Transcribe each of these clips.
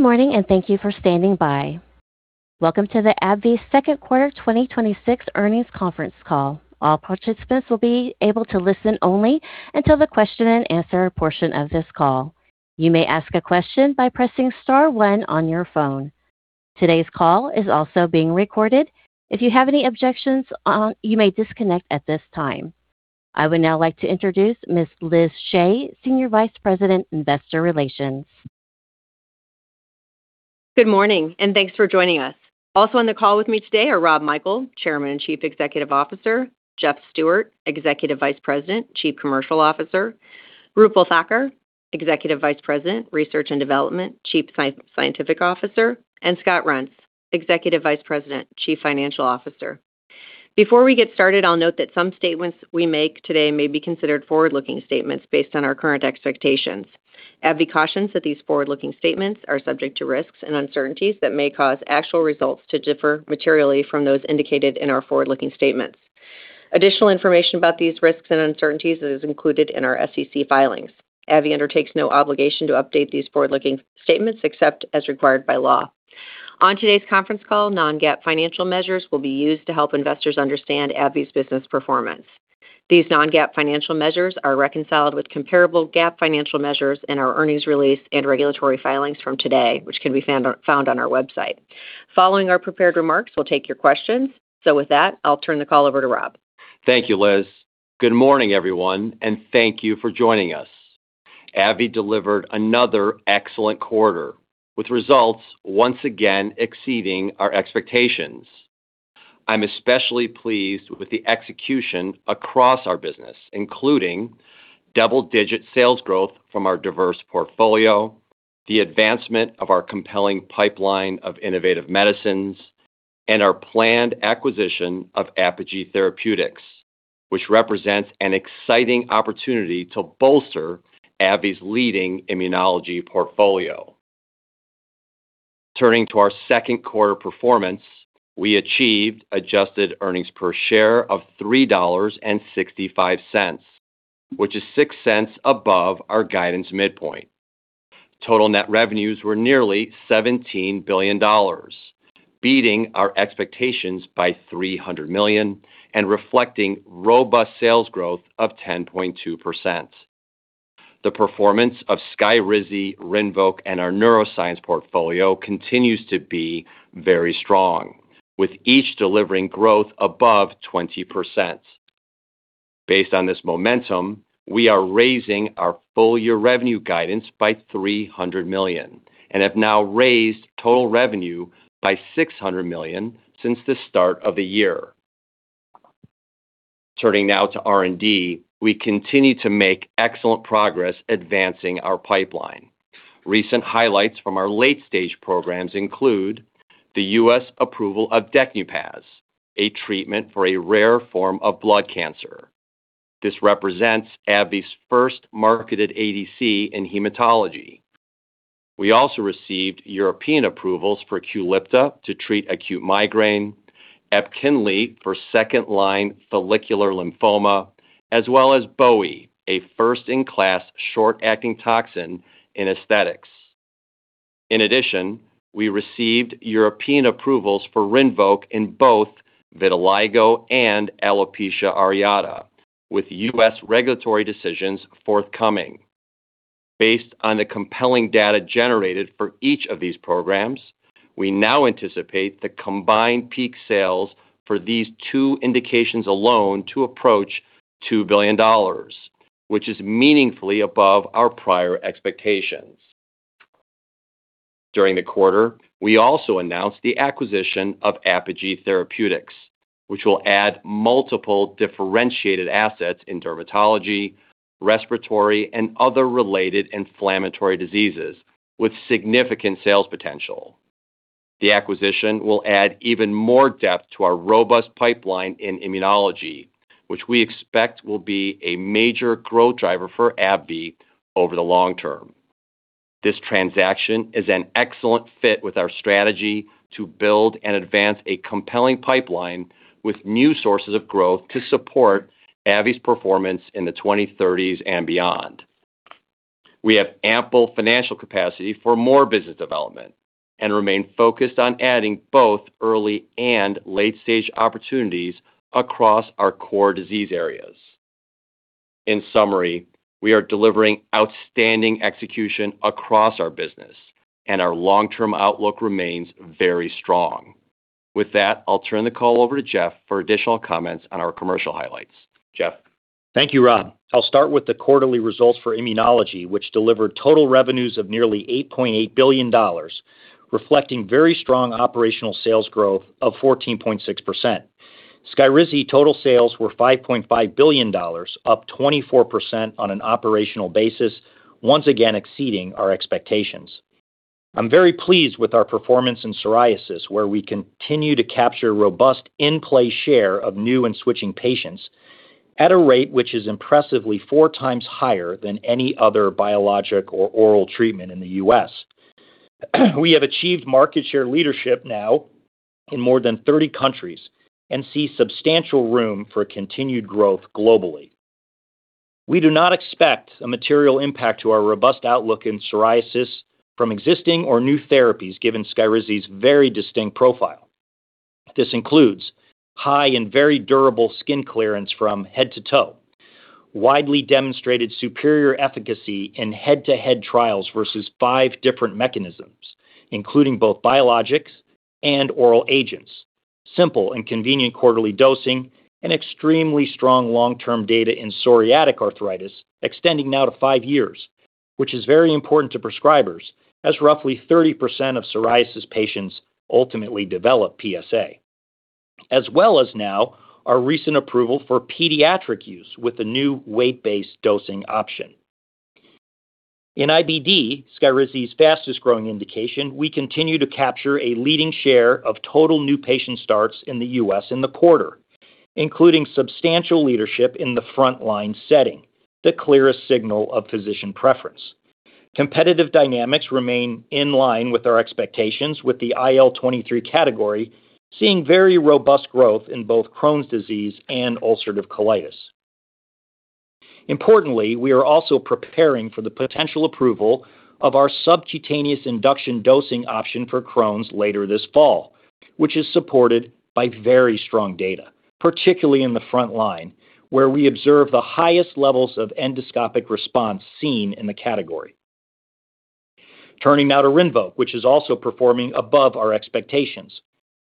Good morning, thank you for standing by. Welcome to the AbbVie Second Quarter 2026 Earnings Conference Call. All participants will be able to listen only until the question and answer portion of this call. You may ask a question by pressing star one on your phone. Today's call is also being recorded. If you have any objections, you may disconnect at this time. I would now like to introduce Ms. Liz Shea, Senior Vice President, Investor Relations. Good morning, thanks for joining us. Also on the call with me today are Rob Michael, Chairman and Chief Executive Officer, Jeff Stewart, Executive Vice President, Chief Commercial Officer, Roopal Thakkar, Executive Vice President, Research and Development, Chief Scientific Officer, and Scott Reents, Executive Vice President, Chief Financial Officer. Before we get started, I'll note that some statements we make today may be considered forward-looking statements based on our current expectations. AbbVie cautions that these forward-looking statements are subject to risks and uncertainties that may cause actual results to differ materially from those indicated in our forward-looking statements. Additional information about these risks and uncertainties is included in our SEC filings. AbbVie undertakes no obligation to update these forward-looking statements except as required by law. On today's conference call, non-GAAP financial measures will be used to help investors understand AbbVie's business performance. These non-GAAP financial measures are reconciled with comparable GAAP financial measures in our earnings release and regulatory filings from today, which can be found on our website. Following our prepared remarks, we'll take your questions. With that, I'll turn the call over to Rob. Thank you, Liz. Good morning, everyone, thank you for joining us. AbbVie delivered another excellent quarter, with results once again exceeding our expectations. I'm especially pleased with the execution across our business, including double-digit sales growth from our diverse portfolio, the advancement of our compelling pipeline of innovative medicines, and our planned acquisition of Apogee Therapeutics, which represents an exciting opportunity to bolster AbbVie's leading immunology portfolio. Turning to our second quarter performance, we achieved adjusted earnings per share of $3.65, which is $0.06 above our guidance midpoint. Total net revenues were nearly $17 billion, beating our expectations by $300 million, and reflecting robust sales growth of 10.2%. The performance of SKYRIZI, RINVOQ, and our neuroscience portfolio continues to be very strong, with each delivering growth above 20%. Based on this momentum, we are raising our full-year revenue guidance by $300 million and have now raised total revenue by $600 million since the start of the year. Turning now to R&D, we continue to make excellent progress advancing our pipeline. Recent highlights from our late-stage programs include the U.S. approval of DECNUPAZ, a treatment for a rare form of blood cancer. This represents AbbVie's first marketed ADC in hematology. We also received European approvals for QULIPTA to treat acute migraine, TEPKINLY for second-line follicular lymphoma, as well as Boey, a first-in-class short-acting toxin in aesthetics. In addition, we received European approvals for RINVOQ in both vitiligo and alopecia areata, with U.S. regulatory decisions forthcoming. Based on the compelling data generated for each of these programs, we now anticipate the combined peak sales for these two indications alone to approach $2 billion, which is meaningfully above our prior expectations. During the quarter, we also announced the acquisition of Apogee Therapeutics, which will add multiple differentiated assets in dermatology, respiratory, and other related inflammatory diseases with significant sales potential. The acquisition will add even more depth to our robust pipeline in immunology, which we expect will be a major growth driver for AbbVie over the long term. This transaction is an excellent fit with our strategy to build and advance a compelling pipeline with new sources of growth to support AbbVie's performance in the 2030s and beyond. We have ample financial capacity for more business development and remain focused on adding both early and late-stage opportunities across our core disease areas. In summary, we are delivering outstanding execution across our business, and our long-term outlook remains very strong. With that, I'll turn the call over to Jeff for additional comments on our commercial highlights. Jeff? Thank you, Rob. I'll start with the quarterly results for immunology, which delivered total revenues of nearly $8.8 billion, reflecting very strong operational sales growth of 14.6%. SKYRIZI total sales were $5.5 billion, up 24% on an operational basis, once again exceeding our expectations. I'm very pleased with our performance in psoriasis, where we continue to capture robust in-play share of new and switching patients at a rate which is impressively four times higher than any other biologic or oral treatment in the U.S. We have achieved market share leadership now in more than 30 countries and see substantial room for continued growth globally. We do not expect a material impact to our robust outlook in psoriasis from existing or new therapies given SKYRIZI's very distinct profile. This includes high and very durable skin clearance from head to toe, widely demonstrated superior efficacy in head-to-head trials versus five different mechanisms, including both biologics and oral agents, simple and convenient quarterly dosing, and extremely strong long-term data in psoriatic arthritis extending now to five years, which is very important to prescribers as roughly 30% of psoriasis patients ultimately develop PsA. As well as now our recent approval for pediatric use with the new weight-based dosing option. In IBD, SKYRIZI's fastest-growing indication, we continue to capture a leading share of total new patient starts in the U.S. in the quarter, including substantial leadership in the front-line setting, the clearest signal of physician preference. Competitive dynamics remain in line with our expectations with the IL-23 category seeing very robust growth in both Crohn's disease and ulcerative colitis. Importantly, we are also preparing for the potential approval of our subcutaneous induction dosing option for Crohn's later this fall, which is supported by very strong data, particularly in the front line, where we observe the highest levels of endoscopic response seen in the category. Turning now to RINVOQ, which is also performing above our expectations.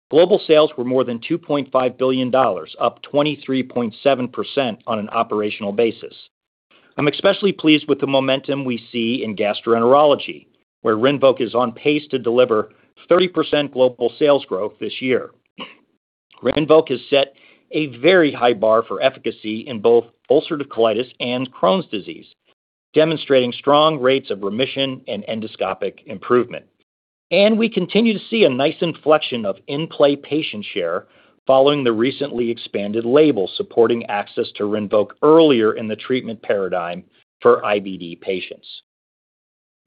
Global sales were more than $2.5 billion, up 23.7% on an operational basis. I am especially pleased with the momentum we see in gastroenterology, where RINVOQ is on pace to deliver 30% global sales growth this year. RINVOQ has set a very high bar for efficacy in both ulcerative colitis and Crohn's disease, demonstrating strong rates of remission and endoscopic improvement. We continue to see a nice inflection of in-play patient share following the recently expanded label supporting access to RINVOQ earlier in the treatment paradigm for IBD patients.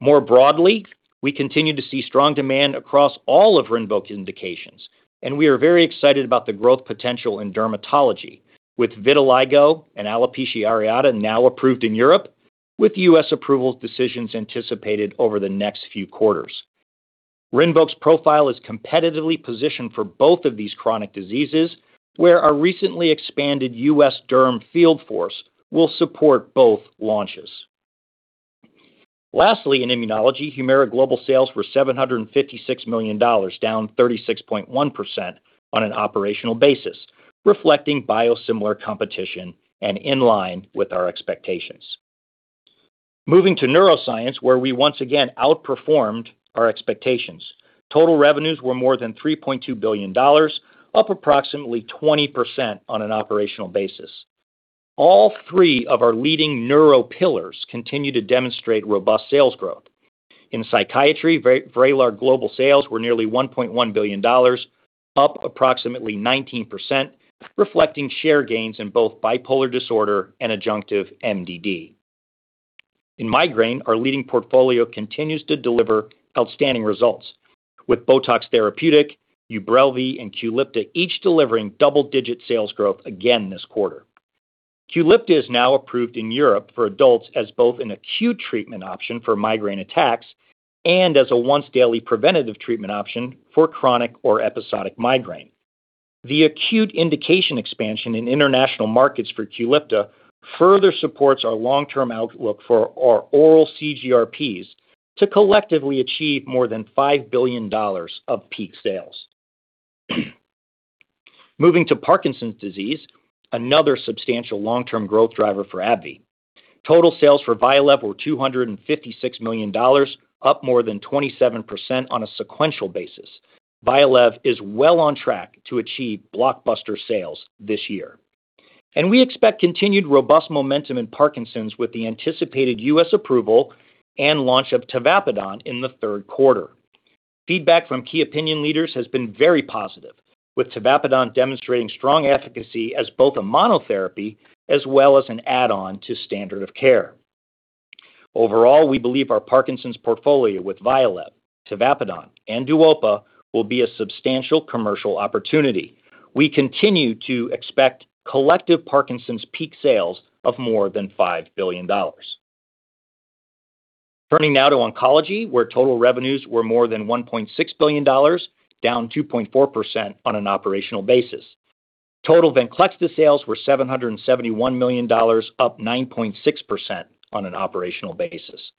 More broadly, we continue to see strong demand across all of RINVOQ indications. We are very excited about the growth potential in dermatology with vitiligo and alopecia areata now approved in Europe, with U.S. approval decisions anticipated over the next few quarters. RINVOQ's profile is competitively positioned for both of these chronic diseases, where our recently expanded U.S. derm field force will support both launches. Lastly, in immunology, HUMIRA global sales were $756 million, down 36.1% on an operational basis, reflecting biosimilar competition and in line with our expectations. Moving to neuroscience, where we once again outperformed our expectations. Total revenues were more than $3.2 billion, up approximately 20% on an operational basis. All three of our leading neuro pillars continue to demonstrate robust sales growth. In psychiatry, VRAYLAR global sales were nearly $1.1 billion, up approximately 19%, reflecting share gains in both bipolar disorder and adjunctive MDD. In migraine, our leading portfolio continues to deliver outstanding results, with BOTOX therapeutic, UBRELVY, and QULIPTA each delivering double-digit sales growth again this quarter. QULIPTA is now approved in Europe for adults as both an acute treatment option for migraine attacks and as a once-daily preventative treatment option for chronic or episodic migraine. The acute indication expansion in international markets for QULIPTA further supports our long-term outlook for our oral CGRPs to collectively achieve more than $5 billion of peak sales. Moving to Parkinson's disease, another substantial long-term growth driver for AbbVie. Total sales for VYALEV were $256 million, up more than 27% on a sequential basis. VYALEV is well on track to achieve blockbuster sales this year. We expect continued robust momentum in Parkinson's with the anticipated U.S. approval and launch of tavapadone in the third quarter. Feedback from key opinion leaders has been very positive, with tavapadone demonstrating strong efficacy as both a monotherapy as well as an add-on to standard of care. Overall, we believe our Parkinson's portfolio with VYALEV, tavapadone, and DUOPA will be a substantial commercial opportunity. We continue to expect collective Parkinson's peak sales of more than $5 billion. Turning now to oncology, where total revenues were more than $1.6 billion, down 2.4% on an operational basis. Total VENCLEXTA sales were $771 million, up 9.6% on an operational basis.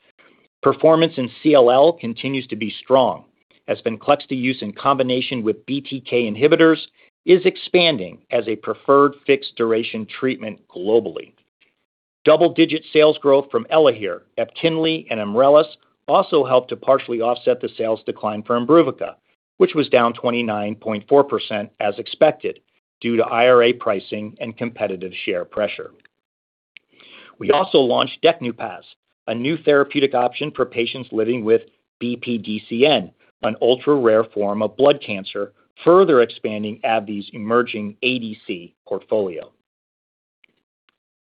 Performance in CLL continues to be strong as VENCLEXTA use in combination with BTK inhibitors is expanding as a preferred fixed-duration treatment globally. Double-digit sales growth from ELAHERE, TEPKINLY, and EMRELIS also helped to partially offset the sales decline for IMBRUVICA, which was down 29.4% as expected due to IRA pricing and competitive share pressure. We also launched DECNUPAZ, a new therapeutic option for patients living with BPDCN, an ultra-rare form of blood cancer, further expanding AbbVie's emerging ADC portfolio.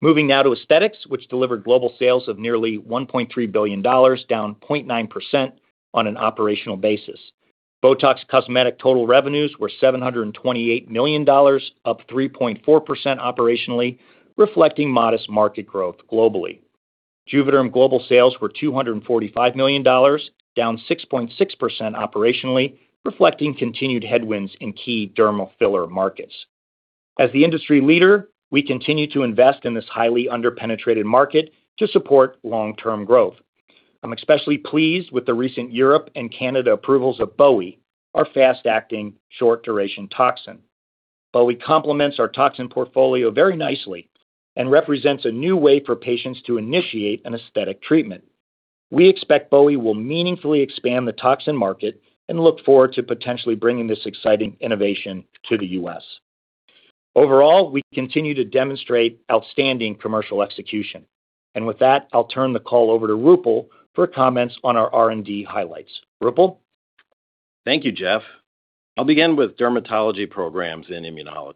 Moving now to aesthetics, which delivered global sales of nearly $1.3 billion, down 0.9% on an operational basis. BOTOX Cosmetic total revenues were $728 million, up 3.4% operationally, reflecting modest market growth globally. JUVÉDERM global sales were $245 million, down 6.6% operationally, reflecting continued headwinds in key dermal filler markets. As the industry leader, we continue to invest in this highly under-penetrated market to support long-term growth. I'm especially pleased with the recent Europe and Canada approvals of Boey, our fast-acting, short-duration toxin. Boey complements our toxin portfolio very nicely and represents a new way for patients to initiate an aesthetic treatment. We expect Boey will meaningfully expand the toxin market and look forward to potentially bringing this exciting innovation to the U.S. Overall, we continue to demonstrate outstanding commercial execution. With that, I'll turn the call over to Roopal for comments on our R&D highlights. Roopal? Thank you, Jeff. I'll begin with dermatology programs in immunology.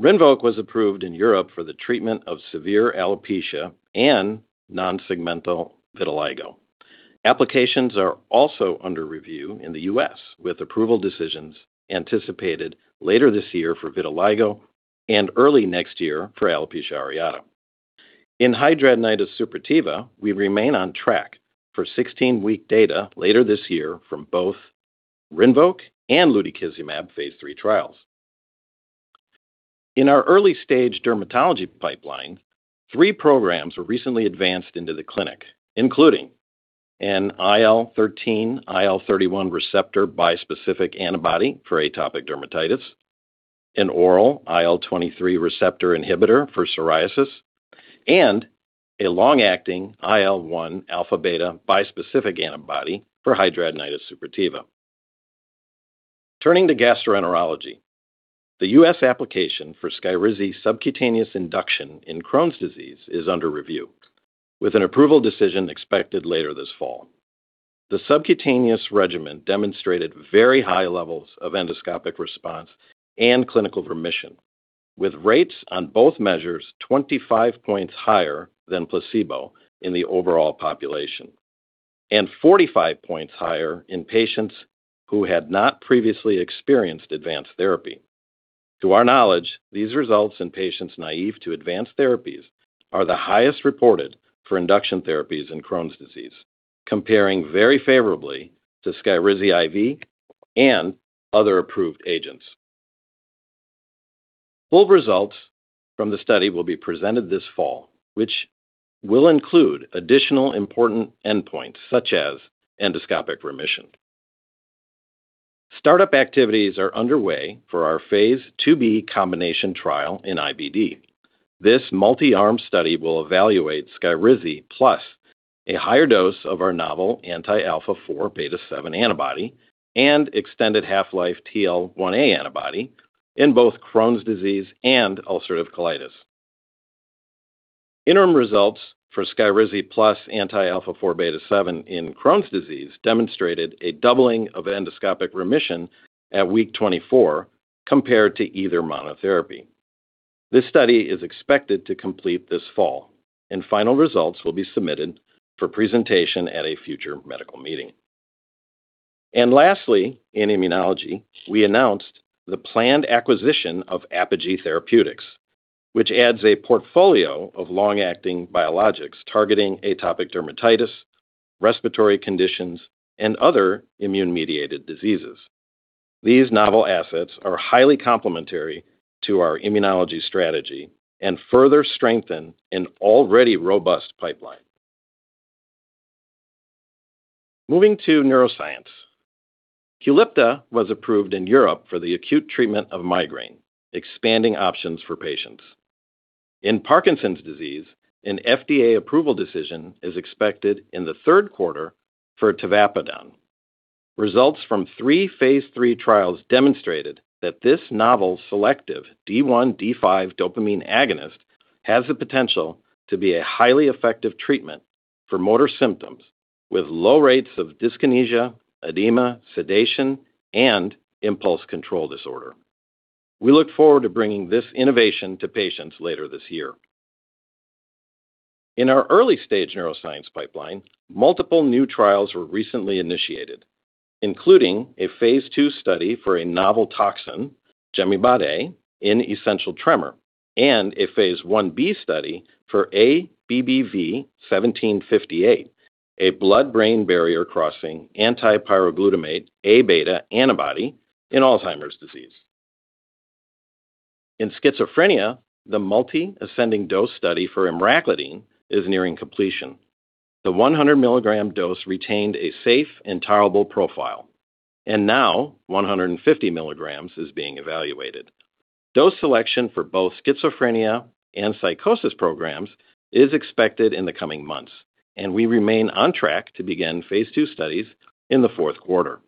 RINVOQ was approved in Europe for the treatment of severe alopecia and non-segmental vitiligo. Applications are also under review in the U.S., with approval decisions anticipated later this year for vitiligo and early next year for alopecia areata. In hidradenitis suppurativa, we remain on track for 16-week data later this year from both RINVOQ and lutikizumab phase III trials. In our early-stage dermatology pipeline, three programs were recently advanced into the clinic, including an IL-13/IL-31 receptor bispecific antibody for atopic dermatitis, an oral IL-23 receptor inhibitor for psoriasis, and a long-acting IL-1 alpha/beta bispecific antibody for hidradenitis suppurativa. Turning to gastroenterology, the U.S. application for SKYRIZI subcutaneous induction in Crohn's disease is under review, with an approval decision expected later this fall. The subcutaneous regimen demonstrated very high levels of endoscopic response and clinical remission, with rates on both measures 25 points higher than placebo in the overall population and 45 points higher in patients who had not previously experienced advanced therapy. To our knowledge, these results in patients naive to advanced therapies are the highest reported for induction therapies in Crohn's disease, comparing very favorably to SKYRIZI IV and other approved agents. Full results from the study will be presented this fall, which will include additional important endpoints such as endoscopic remission. Startup activities are underway for our phase II-B combination trial in IBD. This multi-arm study will evaluate SKYRIZI plus a higher dose of our novel anti-alpha-4 beta-7 antibody and extended half-life TL1A antibody in both Crohn's disease and ulcerative colitis. Interim results for SKYRIZI plus anti-alpha-4 beta-7 in Crohn's disease demonstrated a doubling of endoscopic remission at week 24 compared to either monotherapy. This study is expected to complete this fall, final results will be submitted for presentation at a future medical meeting. Lastly, in immunology, we announced the planned acquisition of Apogee Therapeutics, which adds a portfolio of long-acting biologics targeting atopic dermatitis, respiratory conditions, and other immune-mediated diseases. These novel assets are highly complementary to our immunology strategy and further strengthen an already robust pipeline. Moving to neuroscience. QULIPTA was approved in Europe for the acute treatment of migraine, expanding options for patients. In Parkinson's disease, an FDA approval decision is expected in the third quarter for tavapadon. Results from three phase III trials demonstrated that this novel selective D1/D5 dopamine agonist has the potential to be a highly effective treatment for motor symptoms with low rates of dyskinesia, edema, sedation, and impulse control disorder. We look forward to bringing this innovation to patients later this year. In our early-stage neuroscience pipeline, multiple new trials were recently initiated, including a phase II study for a novel toxin, [Gemibotulinum], in essential tremor and a phase I-B study for ABBV-1758, a blood-brain barrier-crossing anti-pyroglutamate A-beta antibody in Alzheimer's disease. In schizophrenia, the multi-ascending dose study for emraclidine is nearing completion. The 100 mg dose retained a safe and tolerable profile, 150 mg is being evaluated. Dose selection for both schizophrenia and psychosis programs is expected in the coming months, we remain on track to begin phase II studies in the fourth quarter.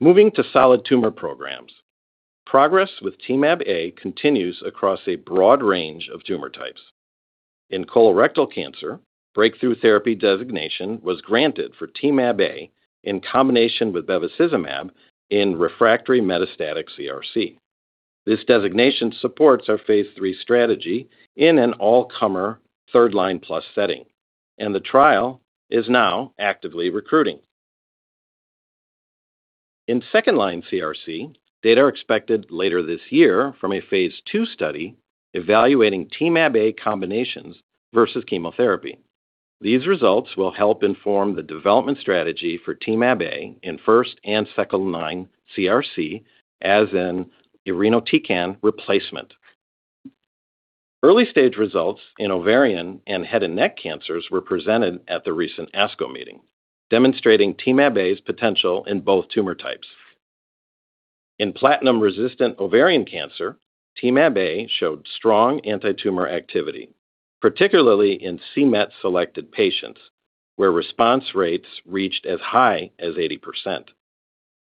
Moving to solid tumor programs. Progress with Temab-A continues across a broad range of tumor types. In colorectal cancer, breakthrough therapy designation was granted for Temab-A in combination with bevacizumab in refractory metastatic CRC. This designation supports our phase III strategy in an all-comer third-line-plus setting, the trial is now actively recruiting. In second-line CRC, data are expected later this year from a phase II study evaluating Temab-A combinations versus chemotherapy. These results will help inform the development strategy for Temab-A in first and second-line CRC, as in irinotecan replacement. Early-stage results in ovarian and head and neck cancers were presented at the recent ASCO meeting, demonstrating Temab-A's potential in both tumor types. In platinum-resistant ovarian cancer, Temab-A showed strong anti-tumor activity, particularly in c-MET-selected patients, where response rates reached as high as 80%.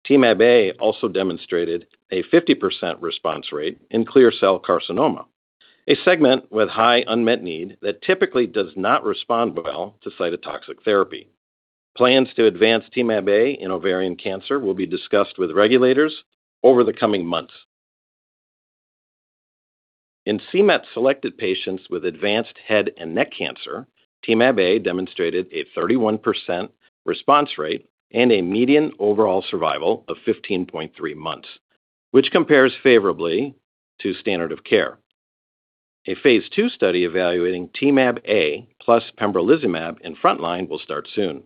Temab-A also demonstrated a 50% response rate in clear cell carcinoma, a segment with high unmet need that typically does not respond well to cytotoxic therapy. Plans to advance Temab-A in ovarian cancer will be discussed with regulators over the coming months. In c-MET-selected patients with advanced head and neck cancer, Temab-A demonstrated a 31% response rate and a median overall survival of 15.3 months, which compares favorably to standard of care. A phase II study evaluating Temab-A plus pembrolizumab in frontline will start soon.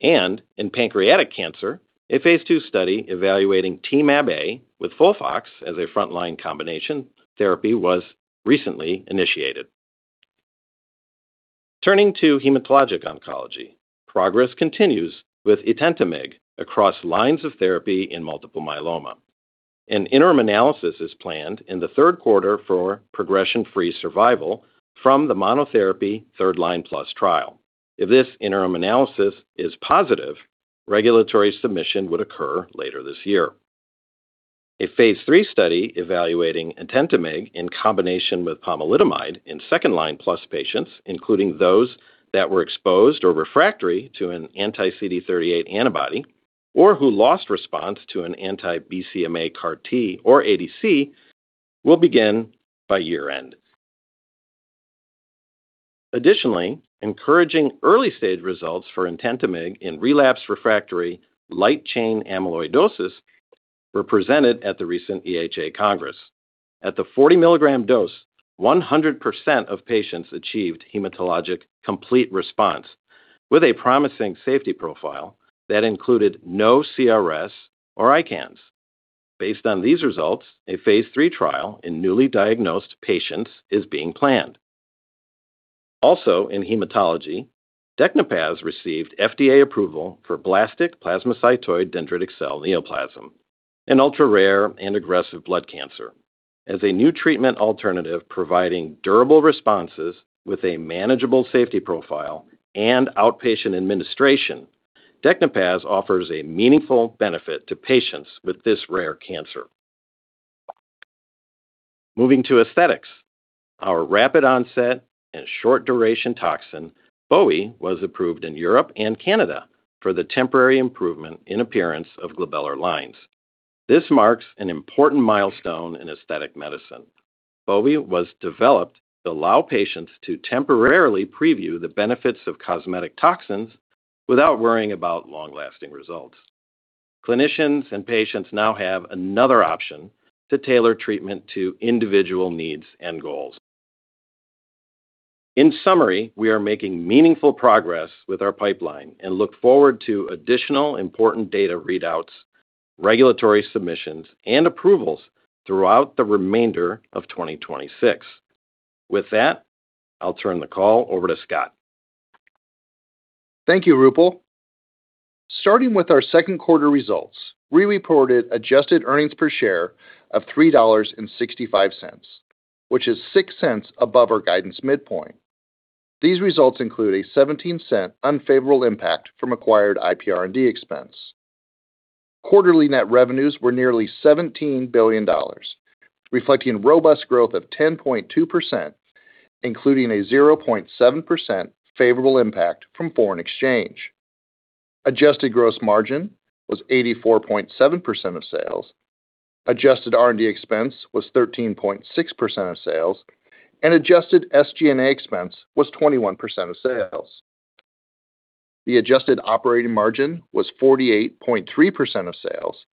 In pancreatic cancer, a phase II study evaluating Temab-A with FOLFOX as a frontline combination therapy was recently initiated. Turning to hematologic oncology, progress continues with etentamig across lines of therapy in multiple myeloma. An interim analysis is planned in the third quarter for progression-free survival from the monotherapy third-line-plus trial. If this interim analysis is positive, regulatory submission would occur later this year. A phase III study evaluating etentamig in combination with pomalidomide in second-line-plus patients, including those that were exposed or refractory to an anti-CD38 antibody or who lost response to an anti-BCMA CAR T or ADC will begin by year-end. Additionally, encouraging early-stage results for etentamig in relapse refractory light chain amyloidosis were presented at the recent EHA Congress. At the 40 mg dose, 100% of patients achieved hematologic complete response with a promising safety profile that included no CRS or ICANS. Based on these results, a phase III trial in newly diagnosed patients is being planned. Also in hematology, DECNUPAZ received FDA approval for blastic plasmacytoid dendritic cell neoplasm, an ultra-rare and aggressive blood cancer. As a new treatment alternative providing durable responses with a manageable safety profile and outpatient administration, DECNUPAZ offers a meaningful benefit to patients with this rare cancer. Moving to aesthetics, our rapid onset and short duration toxin, Boey, was approved in Europe and Canada for the temporary improvement in appearance of glabellar lines. This marks an important milestone in aesthetic medicine. Boey was developed to allow patients to temporarily preview the benefits of cosmetic toxins without worrying about long-lasting results. Clinicians and patients now have another option to tailor treatment to individual needs and goals. In summary, we are making meaningful progress with our pipeline and look forward to additional important data readouts, regulatory submissions, and approvals throughout the remainder of 2026. With that, I'll turn the call over to Scott. Thank you, Roopal. Starting with our second quarter results, we reported adjusted earnings per share of $3.65, which is $0.06 above our guidance midpoint. These results include a $0.17 unfavorable impact from acquired IPR&D expense. Quarterly net revenues were nearly $17 billion, reflecting robust growth of 10.2%, including a 0.7% favorable impact from foreign exchange. Adjusted gross margin was 84.7% of sales. Adjusted R&D expense was 13.6% of sales, and adjusted SG&A expense was 21% of sales. The adjusted operating margin was 48.3% of sales,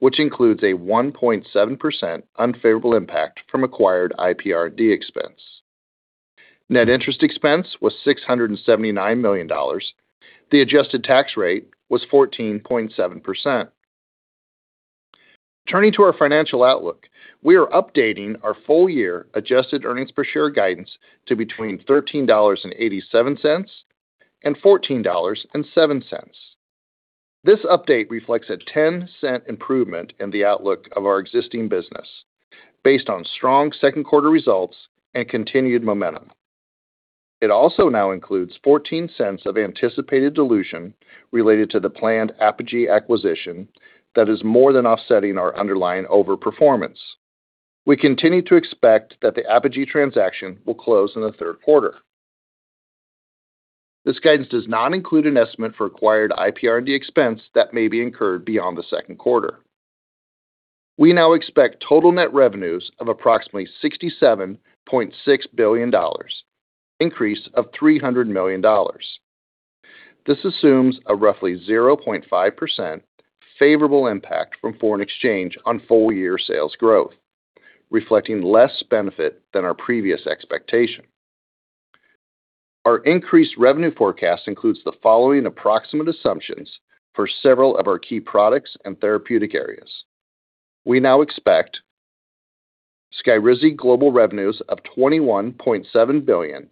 which includes a 1.7% unfavorable impact from acquired IPR&D expense. Net interest expense was $679 million. The adjusted tax rate was 14.7%. Turning to our financial outlook, we are updating our full-year adjusted earnings per share guidance to between $13.87 and $14.07. This update reflects a $0.10 improvement in the outlook of our existing business based on strong second quarter results and continued momentum. It also now includes $0.14 of anticipated dilution related to the planned Apogee acquisition that is more than offsetting our underlying over-performance. We continue to expect that the Apogee transaction will close in the third quarter. This guidance does not include an estimate for acquired IPR&D expense that may be incurred beyond the second quarter. We now expect total net revenues of approximately $67.6 billion, an increase of $300 million. This assumes a roughly 0.5% favorable impact from foreign exchange on full-year sales growth, reflecting less benefit than our previous expectation. Our increased revenue forecast includes the following approximate assumptions for several of our key products and therapeutic areas. We now expect SKYRIZI global revenues of $21.7 billion,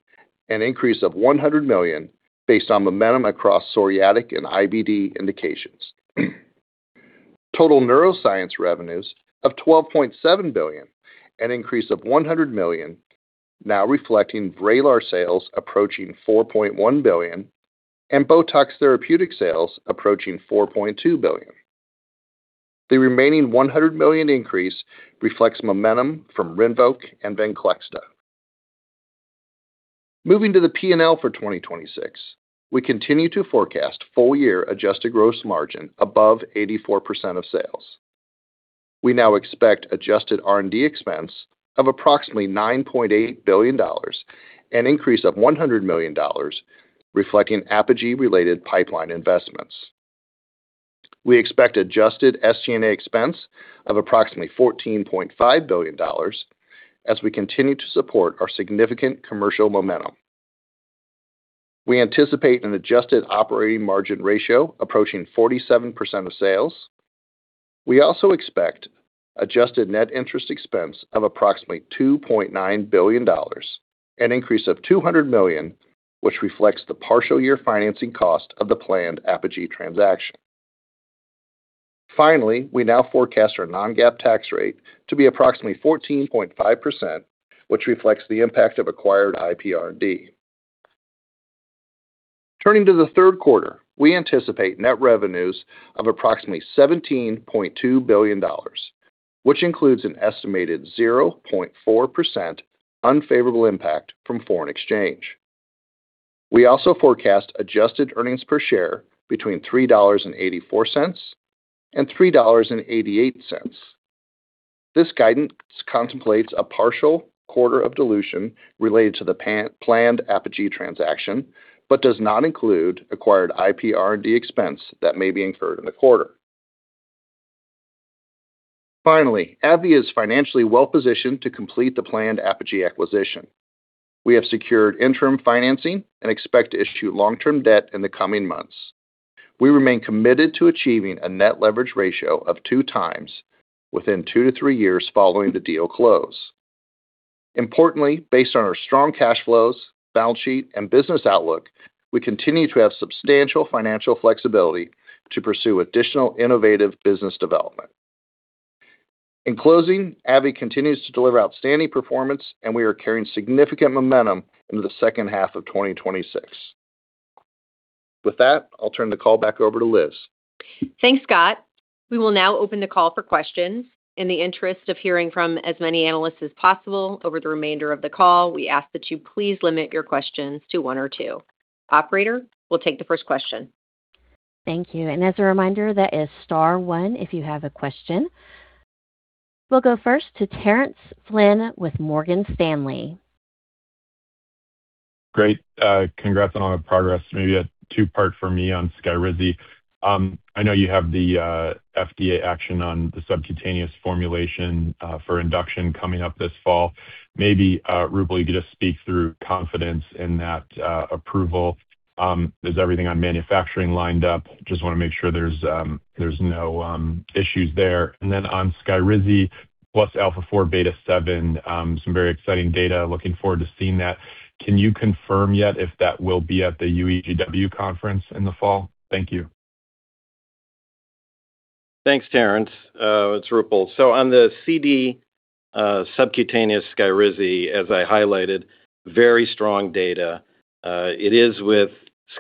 an increase of $100 million based on momentum across psoriatic and IBD indications. Total neuroscience revenues of $12.7 billion, an increase of $100 million, now reflecting VRAYLAR sales approaching $4.1 billion and BOTOX therapeutic sales approaching $4.2 billion. The remaining $100 million increase reflects momentum from RINVOQ and VENCLEXTA. Moving to the P&L for 2026, we continue to forecast full year adjusted gross margin above 84% of sales. We now expect adjusted R&D expense of approximately $9.8 billion, an increase of $100 million reflecting Apogee-related pipeline investments. We expect adjusted SG&A expense of approximately $14.5 billion as we continue to support our significant commercial momentum. We anticipate an adjusted operating margin ratio approaching 47% of sales. We also expect adjusted net interest expense of approximately $2.9 billion, an increase of $200 million, which reflects the partial year financing cost of the planned Apogee transaction. We now forecast our non-GAAP tax rate to be approximately 14.5%, which reflects the impact of acquired IPR&D. Turning to the third quarter, we anticipate net revenues of approximately $17.2 billion, which includes an estimated 0.4% unfavorable impact from foreign exchange. We also forecast adjusted earnings per share between $3.84 and $3.88. This guidance contemplates a partial quarter of dilution related to the planned Apogee transaction, does not include acquired IPR&D expense that may be incurred in the quarter. AbbVie is financially well-positioned to complete the planned Apogee acquisition. We have secured interim financing and expect to issue long-term debt in the coming months. We remain committed to achieving a net leverage ratio of two times within two to three years following the deal close. Based on our strong cash flows, balance sheet and business outlook, we continue to have substantial financial flexibility to pursue additional innovative business development. AbbVie continues to deliver outstanding performance, we are carrying significant momentum into the second half of 2026. I'll turn the call back over to Liz. Thanks, Scott. We will now open the call for questions. In the interest of hearing from as many analysts as possible over the remainder of the call, we ask that you please limit your questions to one or two. Operator, we'll take the first question. Thank you. As a reminder, that is star one if you have a question. We'll go first to Terence Flynn with Morgan Stanley. Great. Congrats on all the progress. Maybe a two-part for me on SKYRIZI. I know you have the FDA action on the subcutaneous formulation for induction coming up this fall. Maybe, Roopal, you could just speak through confidence in that approval. Is everything on manufacturing lined up? Just want to make sure there's no issues there. Then on SKYRIZI plus alpha-4 beta-7, some very exciting data. Looking forward to seeing that. Can you confirm yet if that will be at the UEGW conference in the fall? Thank you. Thanks, Terence. It's Roopal. On the CD subcutaneous SKYRIZI, as I highlighted, very strong data. It is with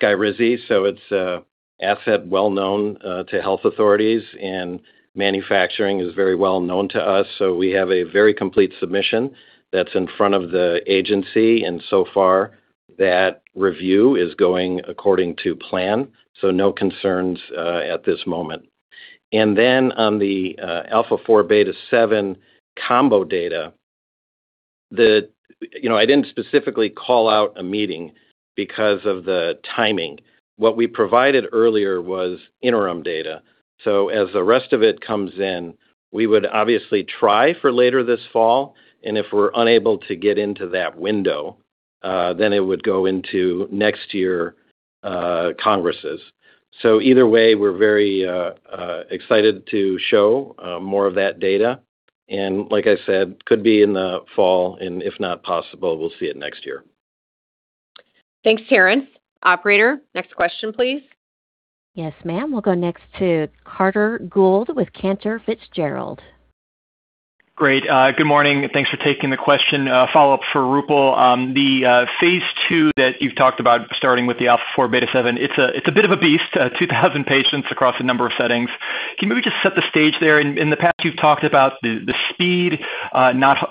SKYRIZI, it's an asset well-known to health authorities, and manufacturing is very well-known to us. We have a very complete submission that's in front of the agency, and so far, that review is going according to plan. No concerns at this moment. Then on the alpha-4 beta-7 combo data, I didn't specifically call out a meeting because of the timing. What we provided earlier was interim data. As the rest of it comes in, we would obviously try for later this fall, and if we're unable to get into that window, then it would go into next year congresses. Either way, we're very excited to show more of that data, and like I said, could be in the fall, and if not possible, we'll see it next year. Thanks, Terence. Operator, next question, please. Yes, ma'am. We'll go next to Carter Gould with Cantor Fitzgerald. Great. Good morning. Thanks for taking the question. A follow-up for Roopal. The phase II that you've talked about starting with the alpha-4 beta-7, it's a bit of a beast, 2,000 patients across a number of settings. Can you maybe just set the stage there? In the past, you've talked about the speed, not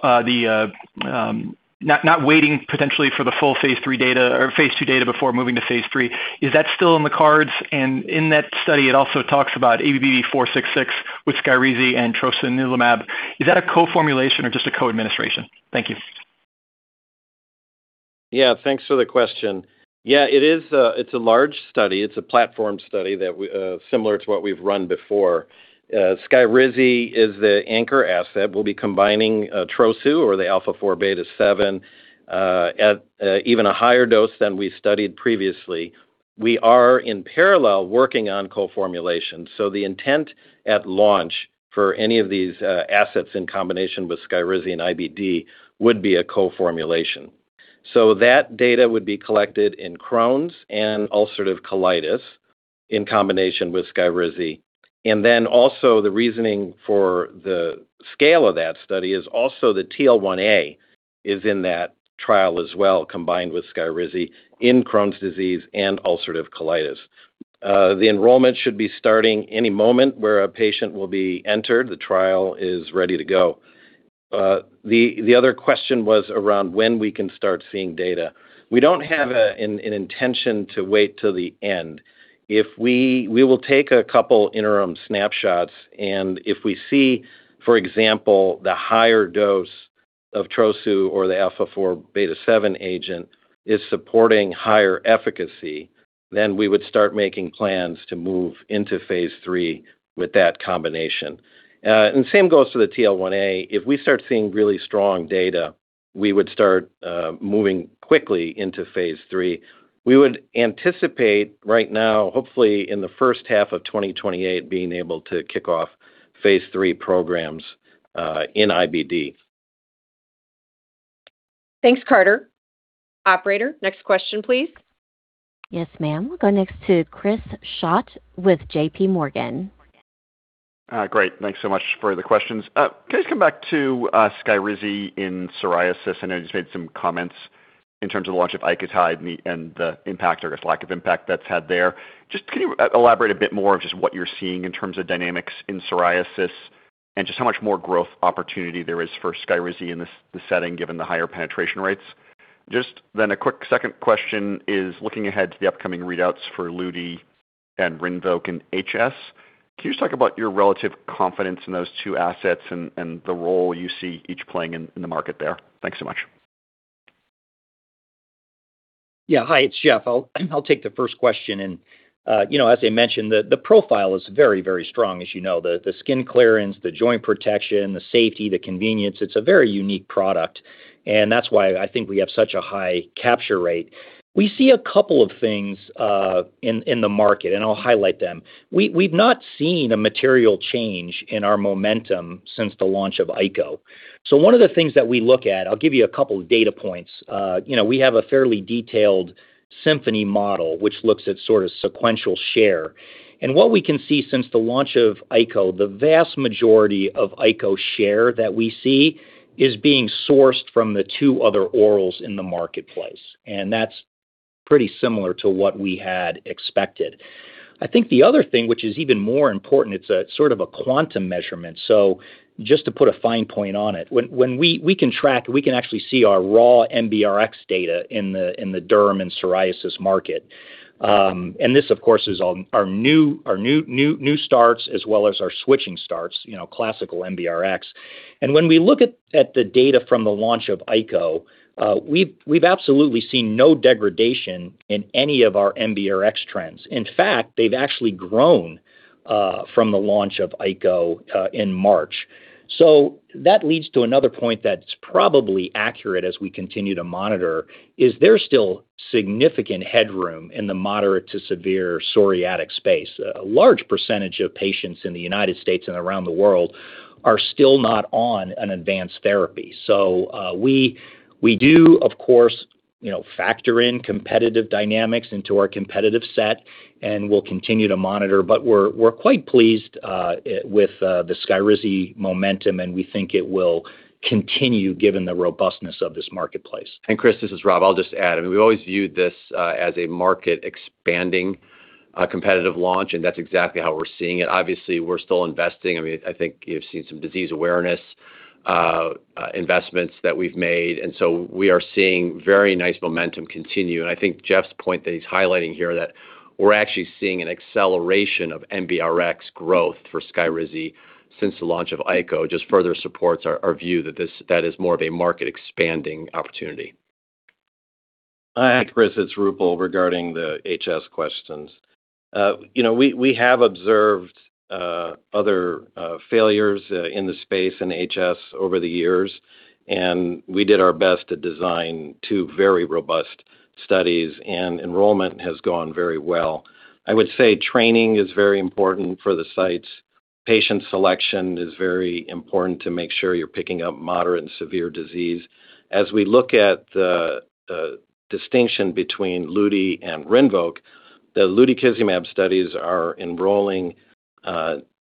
waiting potentially for the full phase III data or phase II data before moving to phase III. Is that still on the cards? In that study, it also talks about ABBV-466 with SKYRIZI and trosunilimab. Is that a co-formulation or just a co-administration? Thank you. Thanks for the question. It's a large study. It's a platform study similar to what we've run before. SKYRIZI is the anchor asset. We'll be combining Trosu or the alpha-4 beta-7 at even a higher dose than we studied previously. We are, in parallel, working on co-formulation. The intent at launch for any of these assets in combination with SKYRIZI and IBD would be a co-formulation. That data would be collected in Crohn's and ulcerative colitis in combination with SKYRIZI. The reasoning for the scale of that study is also the TL1A is in that trial as well, combined with SKYRIZI in Crohn's disease and ulcerative colitis. The enrollment should be starting any moment where a patient will be entered. The trial is ready to go. The other question was around when we can start seeing data. We don't have an intention to wait till the end. We will take a couple interim snapshots. If we see, for example, the higher dose of Trosu or the alpha-4 beta-7 agent is supporting higher efficacy, then we would start making plans to move into phase III with that combination. The same goes for the TL1A. If we start seeing really strong data, we would start moving quickly into phase III. We would anticipate right now, hopefully in the first half of 2028, being able to kick off phase III programs in IBD. Thanks, Carter. Operator, next question, please. Yes, ma'am. We'll go next to Chris Schott with JPMorgan. Thanks so much for the questions. Can I just come back to SKYRIZI in psoriasis? I know you just made some comments in terms of the launch of ICOTYDE and the impact, or I guess lack of impact that's had there. Can you elaborate a bit more of just what you're seeing in terms of dynamics in psoriasis and just how much more growth opportunity there is for SKYRIZI in the setting given the higher penetration rates? Then a quick second question is looking ahead to the upcoming readouts for lutikizumab and RINVOQ in HS. Can you just talk about your relative confidence in those two assets and the role you see each playing in the market there? Thanks so much. Yeah. Hi, it's Jeff. I'll take the first question. As I mentioned, the profile is very strong as you know. The skin clearance, the joint protection, the safety, the convenience, it's a very unique product, and that's why I think we have such a high capture rate. We see a couple of things in the market. I'll highlight them. We've not seen a material change in our momentum since the launch of Ico. One of the things that we look at, I'll give you a couple of data points. We have a fairly detailed Symphony model, which looks at sort of sequential share. What we can see since the launch of Ico, the vast majority of Ico share that we see is being sourced from the two other orals in the marketplace, and that's pretty similar to what we had expected. I think the other thing, which is even more important, it's a sort of a quantum measurement. Just to put a fine point on it, we can track, we can actually see our raw MBRx data in the derm and psoriasis market. This, of course, is our new starts as well as our switching starts, classical MBRx. When we look at the data from the launch of Ico, we've absolutely seen no degradation in any of our MBRx trends. In fact, they've actually grown from the launch of Ico in March. That leads to another point that's probably accurate as we continue to monitor, is there's still significant headroom in the moderate to severe psoriatic space. A large percentage of patients in the U.S. and around the world are still not on an advanced therapy. We do, of course, factor in competitive dynamics into our competitive set, and we'll continue to monitor. We're quite pleased with the SKYRIZI momentum, and we think it will continue given the robustness of this marketplace. Chris, this is Rob. I'll just add, we've always viewed this as a market expanding competitive launch, that's exactly how we're seeing it. Obviously, we're still investing. I think you've seen some disease awareness investments that we've made, we are seeing very nice momentum continue. I think Jeff's point that he's highlighting here that we're actually seeing an acceleration of NBRx growth for SKYRIZI since the launch of Ico just further supports our view that that is more of a market expanding opportunity. Hi, Chris, it's Roopal, regarding the HS questions. We have observed other failures in the space in HS over the years, we did our best to design two very robust studies, enrollment has gone very well. Training is very important for the sites. Patient selection is very important to make sure you're picking up moderate and severe disease. As we look at the distinction between lutikizumab and RINVOQ, the lutikizumab studies are enrolling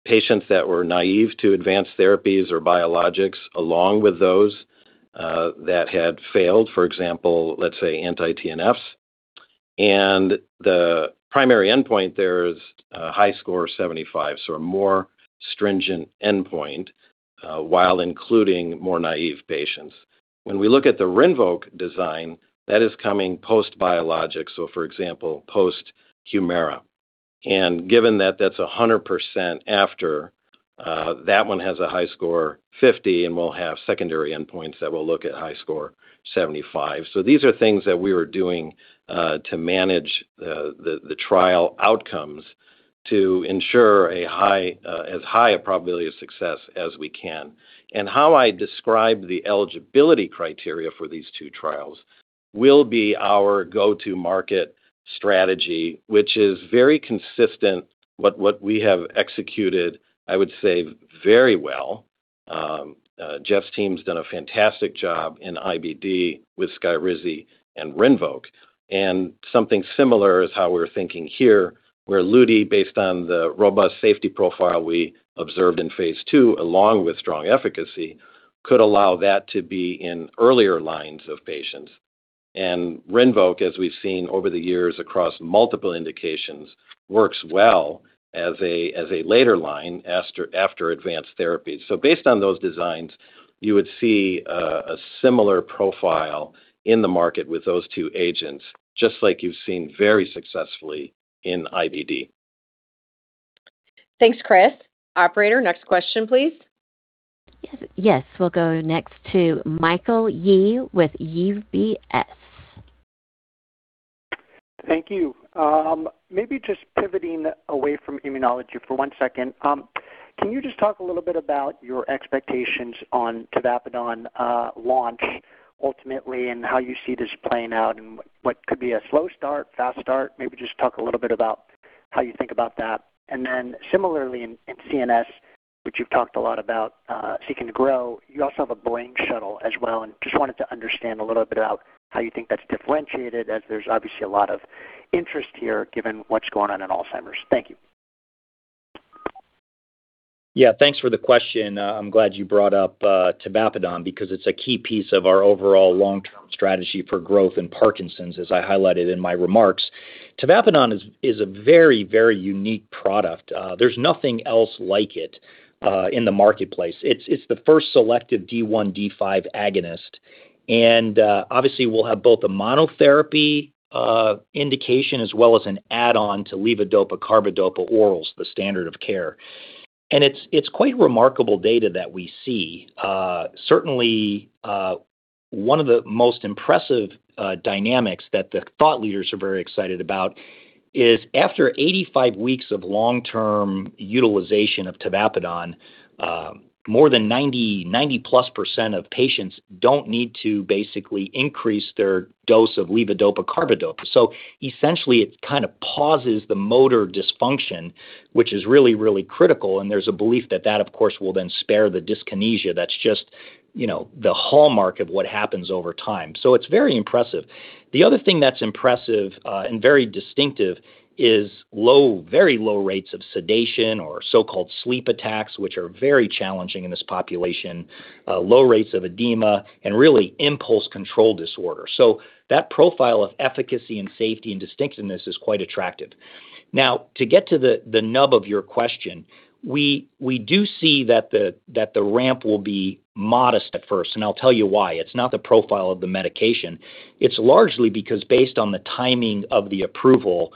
patients that were naive to advanced therapies or biologics along with those that had failed, for example, let's say anti-TNFs. The primary endpoint there is a HiSCR of 75, so a more stringent endpoint, while including more naive patients. When we look at the RINVOQ design, that is coming post-biologic, so for example, post-HUMIRA. Given that that's 100% after, that one has a HiSCR 50, we'll have secondary endpoints that will look at HiSCR 75. These are things that we are doing to manage the trial outcomes to ensure as high a probability of success as we can. How I describe the eligibility criteria for these two trials will be our go-to market strategy, which is very consistent what we have executed very well. Jeff's team's done a fantastic job in IBD with SKYRIZI and RINVOQ, something similar is how we're thinking here, where LUDI, based on the robust safety profile we observed in phase II, along with strong efficacy, could allow that to be in earlier lines of patients. RINVOQ, as we've seen over the years across multiple indications, works well as a later line after advanced therapy. Based on those designs, you would see a similar profile in the market with those two agents, just like you've seen very successfully in IBD. Thanks, Chris. Operator, next question, please. Yes. We'll go next to Michael Yee with UBS. Thank you. Maybe just pivoting away from immunology for one second. Can you just talk a little bit about your expectations on tavapadon launch ultimately, and how you see this playing out and what could be a slow start, fast start? Maybe just talk a little bit about how you think about that. Similarly in CNS, which you've talked a lot about seeking to grow, you also have a Boey shuttle as well, and just wanted to understand a little bit about how you think that's differentiated, as there's obviously a lot of interest here given what's going on in Alzheimer's. Thank you. Yeah, thanks for the question. I'm glad you brought up tavapadon because it's a key piece of our overall long-term strategy for growth in Parkinson's, as I highlighted in my remarks. tavapadon is a very, very unique product. There's nothing else like it in the marketplace. It's the first selective D1/D5 agonist, and obviously we'll have both a monotherapy indication as well as an add-on to levodopa carbidopa orals, the standard of care. It's quite remarkable data that we see. Certainly, one of the most impressive dynamics that the thought leaders are very excited about is after 85 weeks of long-term utilization of tavapadon, more than 90%+ of patients don't need to basically increase their dose of levodopa carbidopa. Essentially, it kind of pauses the motor dysfunction, which is really, really critical, and there's a belief that that, of course, will then spare the dyskinesia. That's just the hallmark of what happens over time. It's very impressive. The other thing that's impressive and very distinctive is very low rates of sedation or so-called sleep attacks, which are very challenging in this population, low rates of edema, and really impulse control disorder. That profile of efficacy and safety and distinctiveness is quite attractive. To get to the nub of your question, we do see that the ramp will be modest at first, and I'll tell you why. It's not the profile of the medication. It's largely because based on the timing of the approval,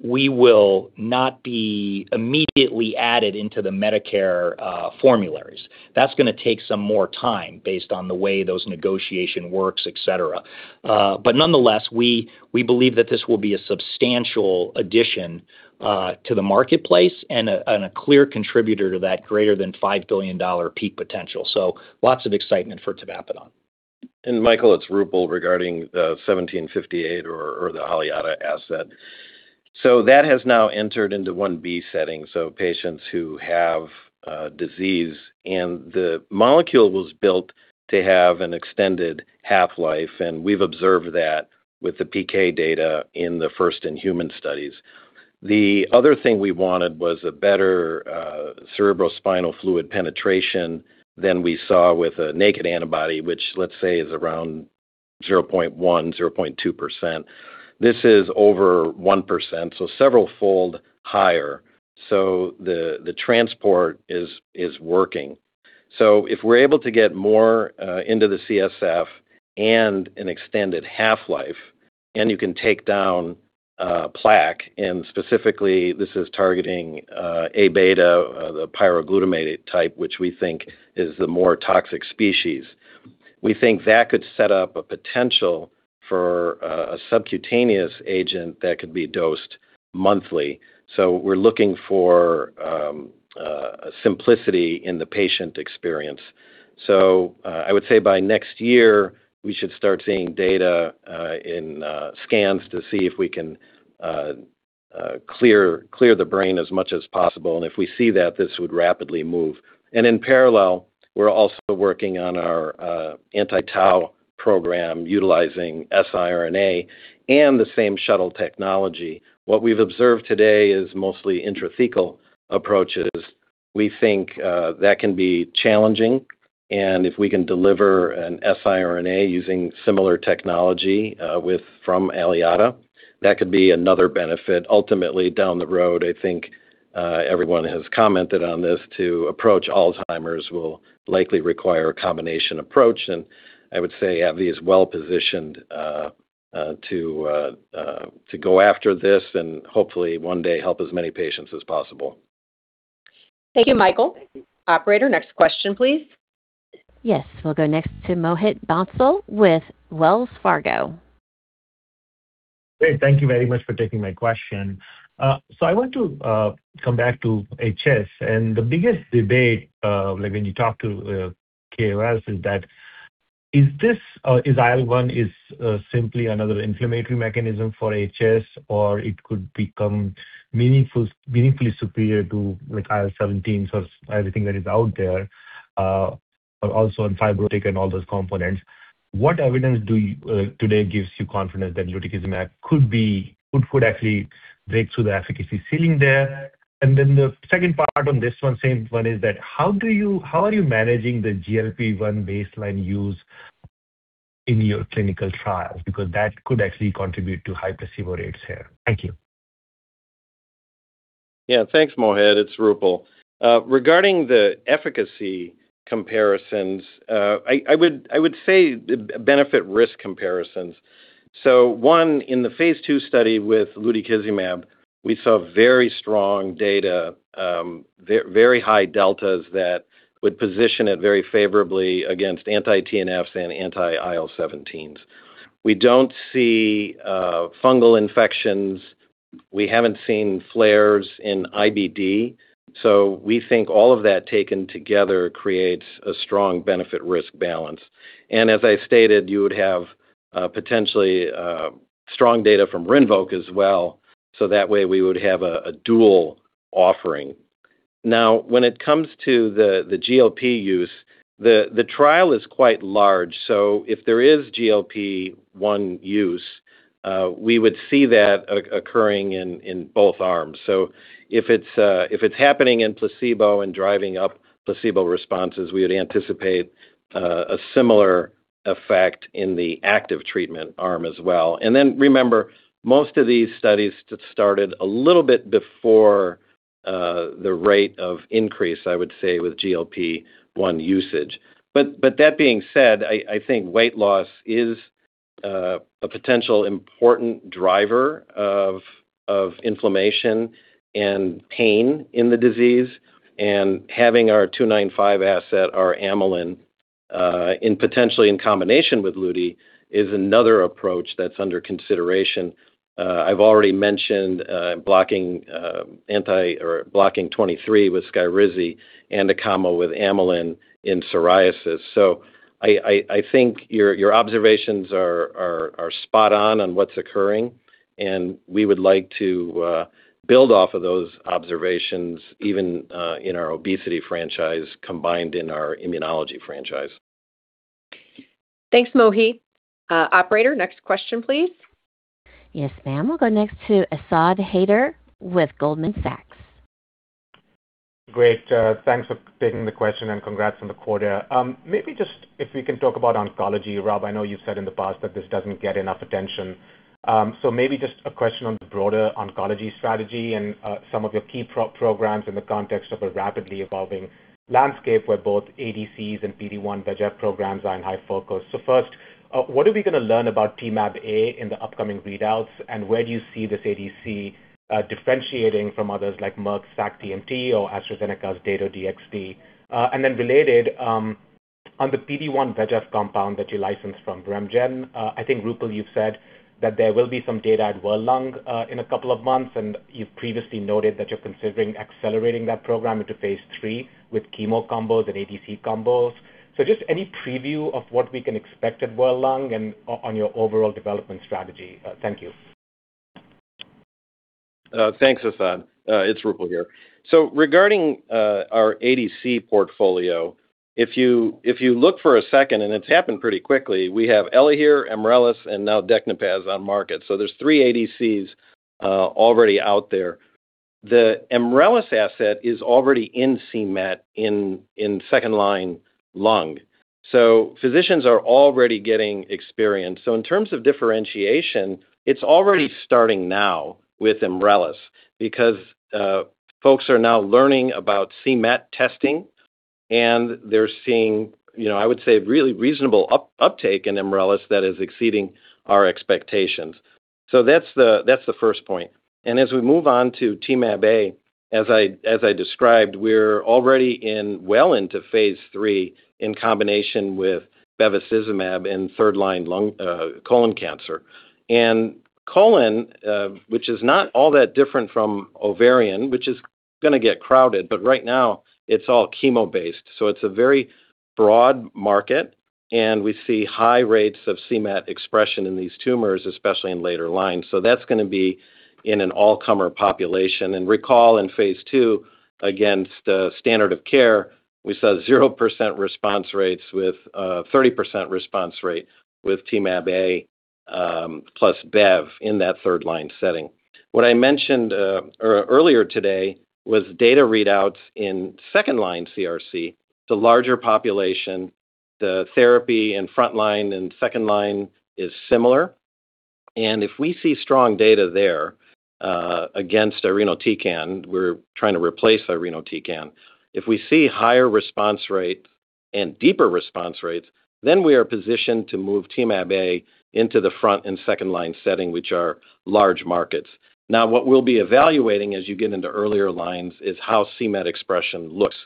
we will not be immediately added into the Medicare formularies. That's going to take some more time based on the way those negotiation works, et cetera. Nonetheless, we believe that this will be a substantial addition to the marketplace and a clear contributor to that greater than $5 billion peak potential. Lots of excitement for tavapadon. Michael, it's Roopal regarding the 1758 or the Aliada asset. That has now entered into phase I-B setting, patients who have disease. The molecule was built to have an extended half-life, and we've observed that with the PK data in the first-in-human studies. The other thing we wanted was a better cerebrospinal fluid penetration than we saw with a naked antibody, which let's say is around 0.1%, 0.2%. This is over 1%, severalfold higher. The transport is working. If we're able to get more into the CSF and an extended half-life, and you can take down plaque, and specifically this is targeting A-beta, the pyroglutamate type, which we think is the more toxic species. We think that could set up a potential for a subcutaneous agent that could be dosed monthly. We're looking for simplicity in the patient experience. I would say by next year, we should start seeing data in scans to see if we can clear the brain as much as possible. If we see that, this would rapidly move. In parallel, we're also working on our anti-tau program utilizing siRNA and the same shuttle technology. What we've observed today is mostly intrathecal approaches. We think that can be challenging, and if we can deliver an siRNA using similar technology from Aliada, that could be another benefit. Down the road, I think everyone has commented on this, to approach Alzheimer's will likely require a combination approach, and I would say AbbVie is well-positioned to go after this, and hopefully one day help as many patients as possible. Thank you, Michael. Operator, next question, please. We'll go next to Mohit Bansal with Wells Fargo. Great. Thank you very much for taking my question. I want to come back to HS, and the biggest debate when you talk to KOs is that is IL-1 is simply another inflammatory mechanism for HS, or it could become meaningfully superior to IL-17, so everything that is out there, but also in fibrotic and all those components. What evidence today gives you confidence that lutikizumab could actually break through the efficacy ceiling there? The second part on this one, same one, is that how are you managing the GLP-1 baseline use in your clinical trials? Because that could actually contribute to high placebo rates here. Thank you. Thanks, Mohit. It's Roopal. Regarding the efficacy comparisons, I would say benefit risk comparisons. One, in the phase II study with lutikizumab, we saw very strong data very high deltas that would position it very favorably against anti-TNFs and anti-IL-17s. We don't see fungal infections. We haven't seen flares in IBD. We think all of that taken together creates a strong benefit risk balance. As I stated, you would have potentially strong data from RINVOQ as well. That way, we would have a dual offering. When it comes to the GLP-1 use, the trial is quite large, if there is GLP-1 use, we would see that occurring in both arms. If it's happening in placebo and driving up placebo responses, we would anticipate a similar effect in the active treatment arm as well. Remember, most of these studies started a little bit before the rate of increase, I would say, with GLP-1 usage. That being said, I think weight loss is a potential important driver of inflammation and pain in the disease, and having our 295 asset, our amylin, potentially in combination with luti, is another approach that's under consideration. I've already mentioned blocking IL-23 with SKYRIZI and a combo with amylin in psoriasis. I think your observations are spot on on what's occurring, and we would like to build off of those observations even in our obesity franchise combined in our immunology franchise. Thanks, Mohit. Operator, next question, please. Yes, ma'am. We'll go next to Asad Haider with Goldman Sachs. Great. Thanks for taking the question, and congrats on the quarter. Maybe just if we can talk about oncology. Rob, I know you've said in the past that this doesn't get enough attention. Maybe just a question on the broader oncology strategy and some of your key programs in the context of a rapidly evolving landscape where both ADCs and PD-1/VEGF programs are in high focus. First, what are we going to learn about Temab-A in the upcoming readouts, and where do you see this ADC differentiating from others like Merck's sac-TMT or AstraZeneca's Dato-DXd? Related, on the PD-1/VEGF compound that you licensed from RemeGen, I think Roopal, you've said that there will be some data at World Lung in a couple of months, and you've previously noted that you're considering accelerating that program into phase III with chemo combos and ADC combos. Just any preview of what we can expect at World Lung and on your overall development strategy? Thank you. Thanks, Asad. It's Roopal here. Regarding our ADC portfolio, if you look for a second, and it's happened pretty quickly, we have ELAHERE, EMRELIS, and now DECNUPAZ on market. There's three ADCs already out there. The EMRELIS asset is already in c-MET in second-line lung. Physicians are already getting experience. In terms of differentiation, it's already starting now with EMRELIS because folks are now learning about c-MET testing, and they're seeing, I would say, really reasonable uptake in EMRELIS that is exceeding our expectations. That's the first point. As we move on to Temab-A, as I described, we're already well into phase III in combination with bevacizumab in third-line colon cancer. Colon, which is not all that different from ovarian, which is going to get crowded, but right now it's all chemo based. It's a very broad market, and we see high rates of c-MET expression in these tumors, especially in later lines. That's going to be in an all-comer population. Recall in phase II, against the standard of care, we saw 30% response rate with Temab-A Plus Bev in that third-line setting. What I mentioned earlier today was data readouts in second-line CRC, the larger population, the therapy in front-line and second-line is similar. If we see strong data there against irinotecan, we're trying to replace irinotecan. If we see higher response rates and deeper response rates, we are positioned to move Temab-A into the front-line and second-line setting, which are large markets. What we'll be evaluating as you get into earlier lines is how c-MET expression looks.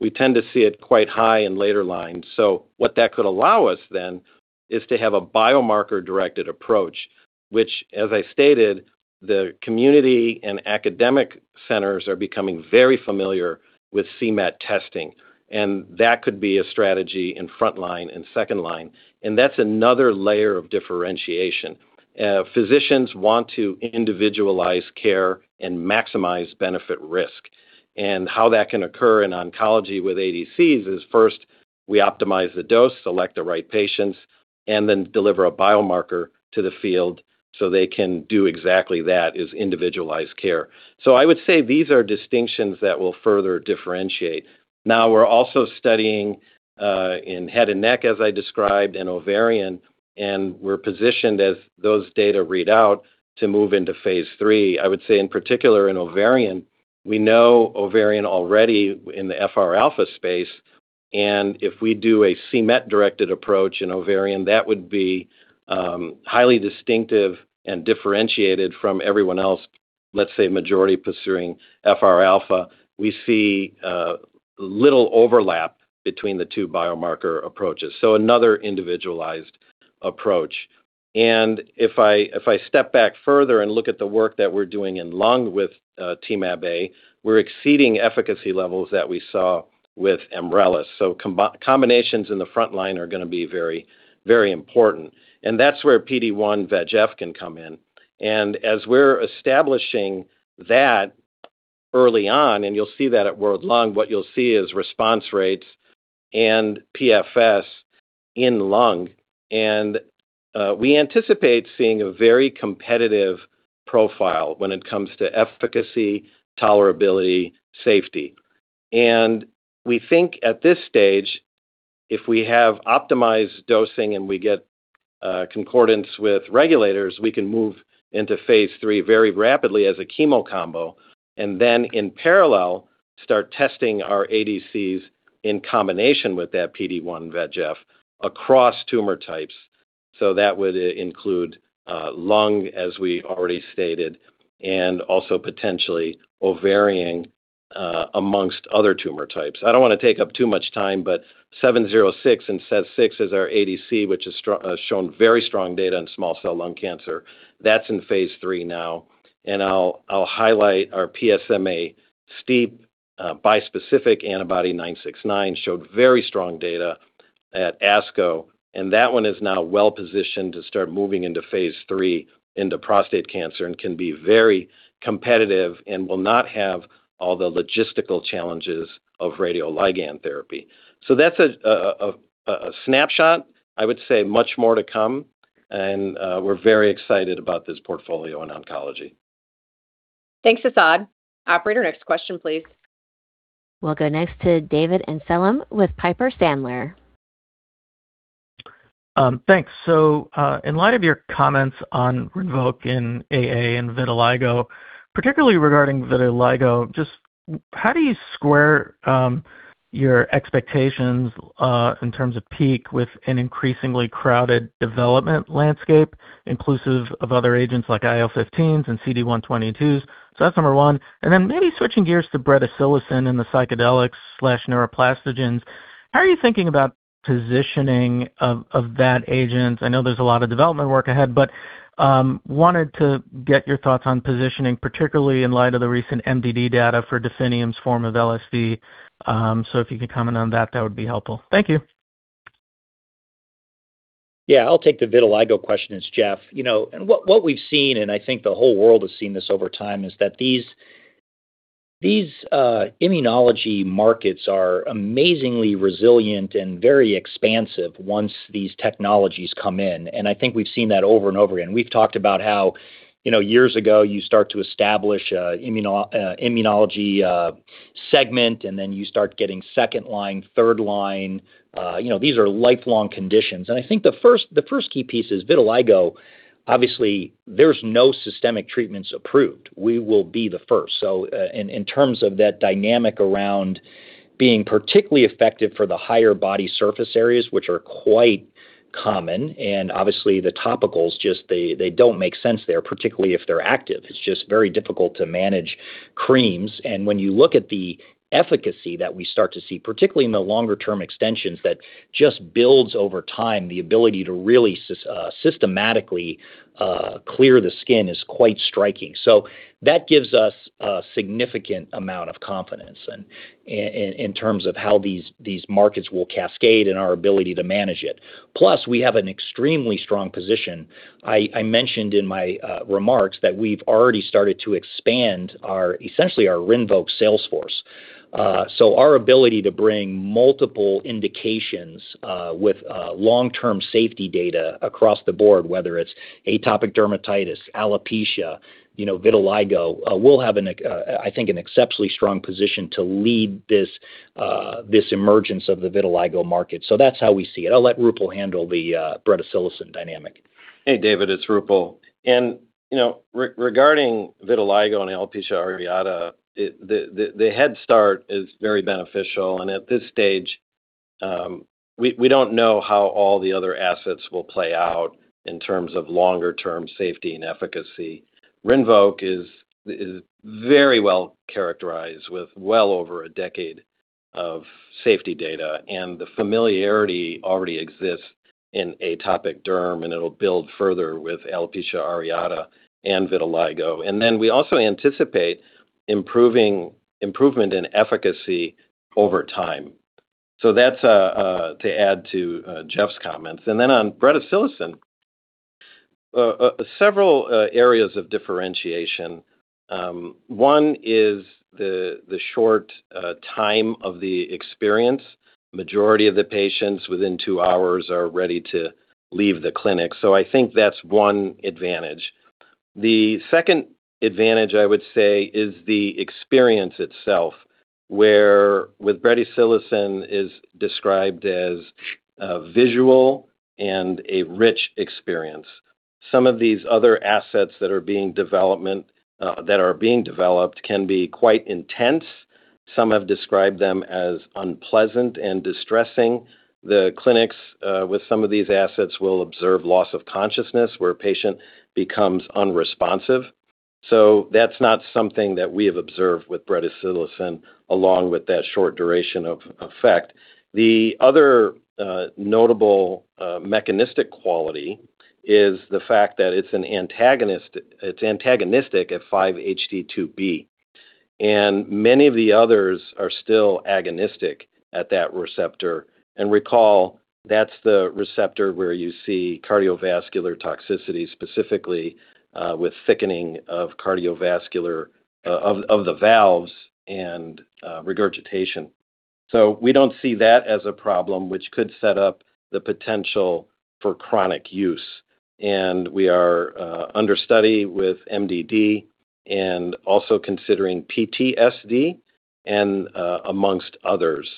We tend to see it quite high in later lines. What that could allow us is to have a biomarker-directed approach, which, as I stated, the community and academic centers are becoming very familiar with c-MET testing, and that could be a strategy in front-line and second-line. That's another layer of differentiation. Physicians want to individualize care and maximize benefit risk. How that can occur in oncology with ADCs is first we optimize the dose, select the right patients, and deliver a biomarker to the field so they can do exactly that, is individualized care. I would say these are distinctions that will further differentiate. We're also studying in head and neck, as I described, and ovarian, and we're positioned as those data read out to move into phase III. I would say in particular in ovarian, we know ovarian already in the FR alpha space, if we do a c-MET-directed approach in ovarian, that would be highly distinctive and differentiated from everyone else, let's say majority pursuing FR alpha. We see little overlap between the two biomarker approaches. Another individualized approach. If I step back further and look at the work that we're doing in lung with Temab-A, we're exceeding efficacy levels that we saw with [EMBRALIS]. Combinations in the front line are going to be very important. That's where PD-1/VEGF can come in. As we're establishing that early on, and you'll see that at World Lung, what you'll see is response rates and PFS in lung. We anticipate seeing a very competitive profile when it comes to efficacy, tolerability, safety. We think at this stage, if we have optimized dosing and we get concordance with regulators, we can move into phase III very rapidly as a chemo combo, then in parallel, start testing our ADCs in combination with that PD-1/VEGF across tumor types. That would include lung, as we already stated, and also potentially ovarian amongst other tumor types. I don't want to take up too much time, but ABBV-706 and SEZ6 is our ADC, which has shown very strong data in small cell lung cancer. That's in phase III now. I'll highlight our PSMA-STEAP1 bispecific antibody ABBV-969 showed very strong data at ASCO, and that one is now well-positioned to start moving into phase III into prostate cancer and can be very competitive and will not have all the logistical challenges of radioligand therapy. That's a snapshot. I would say much more to come, and we're very excited about this portfolio in oncology. Thanks, Asad. Operator, next question, please. We'll go next to David Amsellem with Piper Sandler. Thanks. In light of your comments on RINVOQ in AA and vitiligo, particularly regarding vitiligo, just how do you square your expectations in terms of peak with an increasingly crowded development landscape inclusive of other agents like IL-15s and CD122s? That's number one. Maybe switching gears to bretisilocin in the psychedelics/neuroplastogens, how are you thinking about positioning of that agent? I know there's a lot of development work ahead, but wanted to get your thoughts on positioning, particularly in light of the recent MDD data for Definium's form of LSD. If you could comment on that would be helpful. Thank you. Yeah. I'll take the vitiligo question. It's Jeff. What we've seen, I think the whole world has seen this over time, is that these immunology markets are amazingly resilient and very expansive once these technologies come in. I think we've seen that over and over again. We've talked about how years ago you start to establish a immunology segment, then you start getting second line, third line. These are lifelong conditions. I think the first key piece is vitiligo, obviously, there's no systemic treatments approved. We will be the first. In terms of that dynamic around being particularly effective for the higher body surface areas, which are quite common, obviously the topicals they don't make sense there, particularly if they're active. It's just very difficult to manage creams. When you look at the efficacy that we start to see, particularly in the longer-term extensions, that just builds over time the ability to really systematically clear the skin is quite striking. That gives us a significant amount of confidence in terms of how these markets will cascade and our ability to manage it. Plus, we have an extremely strong position. I mentioned in my remarks that we've already started to expand essentially our RINVOQ sales force. Our ability to bring multiple indications with long-term safety data across the board, whether it's atopic dermatitis, alopecia, vitiligo, we'll have, I think, an exceptionally strong position to lead this emergence of the vitiligo market. That's how we see it. I'll let Roopal handle the bretisilocin dynamic. Hey, David, it's Roopal. Regarding vitiligo and alopecia areata, the head start is very beneficial. At this stage, we don't know how all the other assets will play out in terms of longer-term safety and efficacy. RINVOQ is very well characterized with well over a decade of safety data, and the familiarity already exists in atopic derm, and it'll build further with alopecia areata and vitiligo. We also anticipate improvement in efficacy over time. That's to add to Jeff's comments. On bretisilocin, several areas of differentiation. One is the short time of the experience. Majority of the patients within two hours are ready to leave the clinic. I think that's one advantage. The second advantage, I would say, is the experience itself, where with bretisilocin is described as a visual and a rich experience. Some of these other assets that are being developed can be quite intense. Some have described them as unpleasant and distressing. The clinics with some of these assets will observe loss of consciousness where a patient becomes unresponsive. That's not something that we have observed with bretisilocin, along with that short duration of effect. The other notable mechanistic quality is the fact that it's antagonistic at 5-HT2B, and many of the others are still agonistic at that receptor. Recall, that's the receptor where you see cardiovascular toxicity, specifically with thickening of the valves and regurgitation. We don't see that as a problem, which could set up the potential for chronic use. We are under study with MDD and also considering PTSD and amongst others.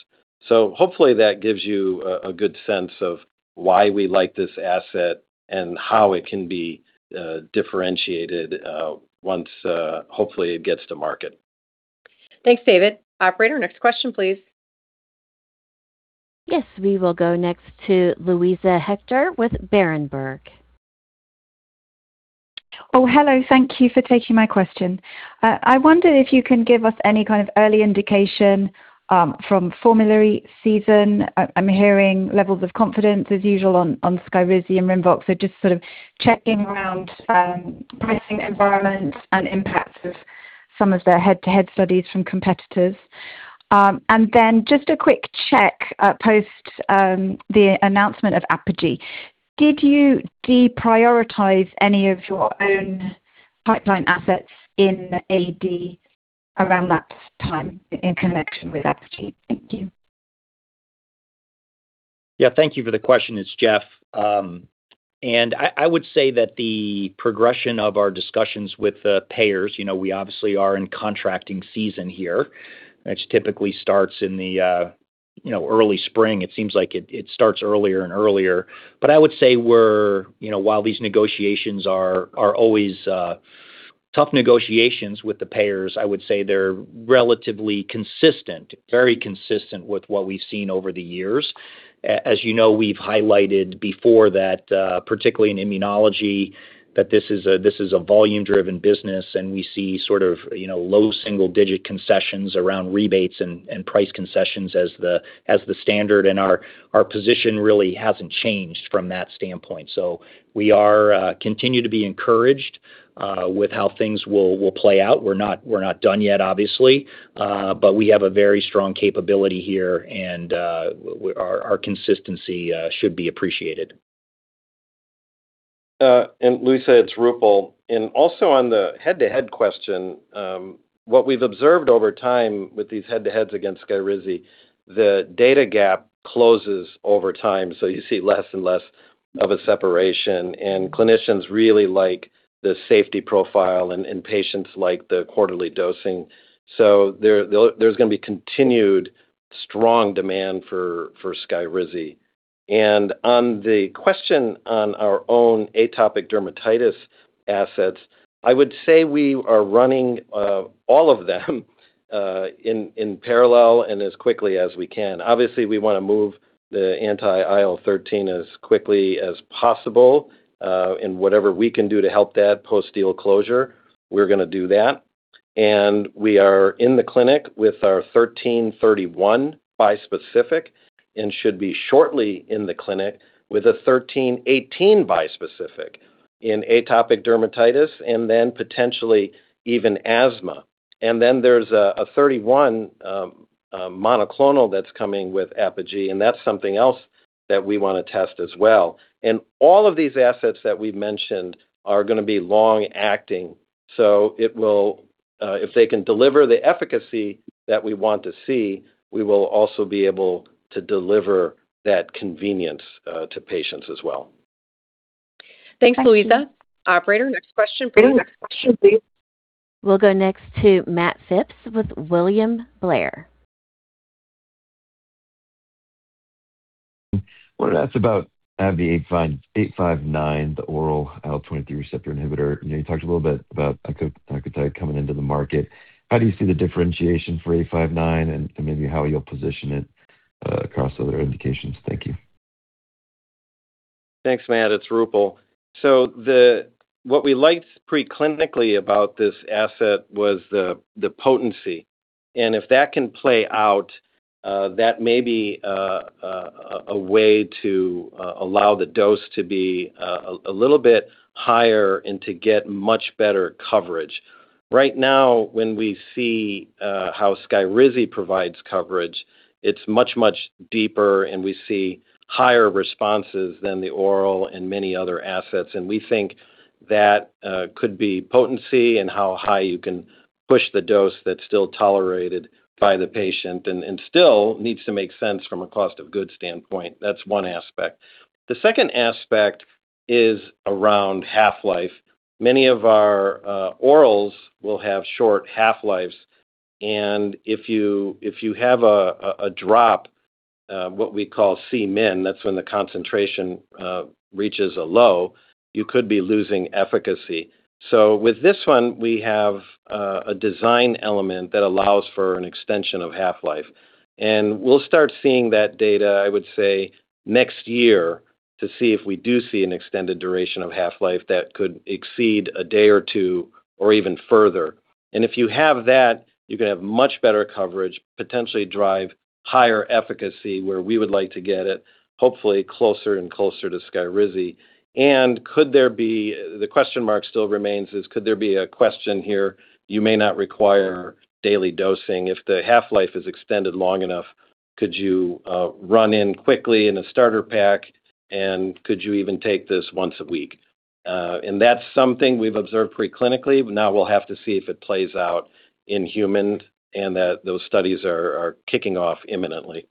Hopefully that gives you a good sense of why we like this asset and how it can be differentiated once hopefully it gets to market. Thanks, David. Operator, next question, please. Yes, we will go next to Luisa Hector with Berenberg. Hello. Thank you for taking my question. I wonder if you can give us any kind of early indication from formulary season. I am hearing levels of confidence as usual on SKYRIZI and RINVOQ. Just sort of checking around pricing environment and impacts of some of their head-to-head studies from competitors. Just a quick check post the announcement of Apogee. Did you deprioritize any of your own pipeline assets in AD around that time in connection with Apogee? Thank you. Thank you for the question. It is Jeff. I would say that the progression of our discussions with the payers, we obviously are in contracting season here, which typically starts in the early spring. It seems like it starts earlier and earlier. I would say while these negotiations are always tough negotiations with the payers, I would say they are relatively consistent, very consistent with what we have seen over the years. As you know, we have highlighted before that, particularly in immunology, that this is a volume-driven business, and we see sort of low single-digit concessions around rebates and price concessions as the standard, and our position really has not changed from that standpoint. We continue to be encouraged with how things will play out. We are not done yet, obviously. We have a very strong capability here, and our consistency should be appreciated. Luisa, it is Roopal. Also on the head-to-head question, what we have observed over time with these head-to-heads against SKYRIZI, the data gap closes over time. You see less and less of a separation, and clinicians really like the safety profile, and patients like the quarterly dosing. There is going to be continued strong demand for SKYRIZI. On the question on our own atopic dermatitis assets, I would say we are running all of them in parallel and as quickly as we can. Obviously, we want to move the anti-IL-13 as quickly as possible, and whatever we can do to help that post-deal closure, we are going to do that. We are in the clinic with our ABBV-1331 bispecific and should be shortly in the clinic with an ABBV-1318 bispecific in atopic dermatitis and then potentially even asthma. Then there's a 31 monoclonal that's coming with Apogee, that's something else that we want to test as well. All of these assets that we've mentioned are going to be long-acting. If they can deliver the efficacy that we want to see, we will also be able to deliver that convenience to patients as well. Thanks, Luisa. Operator, next question, please. We'll go next to Matt Phipps with William Blair. I want to ask about ABBV-859, the oral IL-23 receptor inhibitor. You talked a little bit about ICOTYDE coming into the market. How do you see the differentiation for 859 and maybe how you'll position it across other indications? Thank you. Thanks, Matt. It's Roopal. What we liked pre-clinically about this asset was the potency. If that can play out, that may be a way to allow the dose to be a little bit higher and to get much better coverage. Right now, when we see how SKYRIZI provides coverage, it's much, much deeper, and we see higher responses than the oral and many other assets. We think that could be potency and how high you can push the dose that's still tolerated by the patient and still needs to make sense from a cost of goods standpoint. That's one aspect. The second aspect is around half-life. Many of our orals will have short half-lives, and if you have a drop, what we call Cmin, that's when the concentration reaches a low, you could be losing efficacy. With this one, we have a design element that allows for an extension of half-life. We'll start seeing that data, I would say, next year to see if we do see an extended duration of half-life that could exceed one or two, or even further. If you have that, you can have much better coverage, potentially drive higher efficacy, where we would like to get it, hopefully closer and closer to SKYRIZI. The question mark still remains is, could there be a question here, you may not require daily dosing if the half-life is extended long enough, could you run in quickly in a starter pack and could you even take this once a week? That's something we've observed pre-clinically. Now we'll have to see if it plays out in humans and that those studies are kicking off imminently.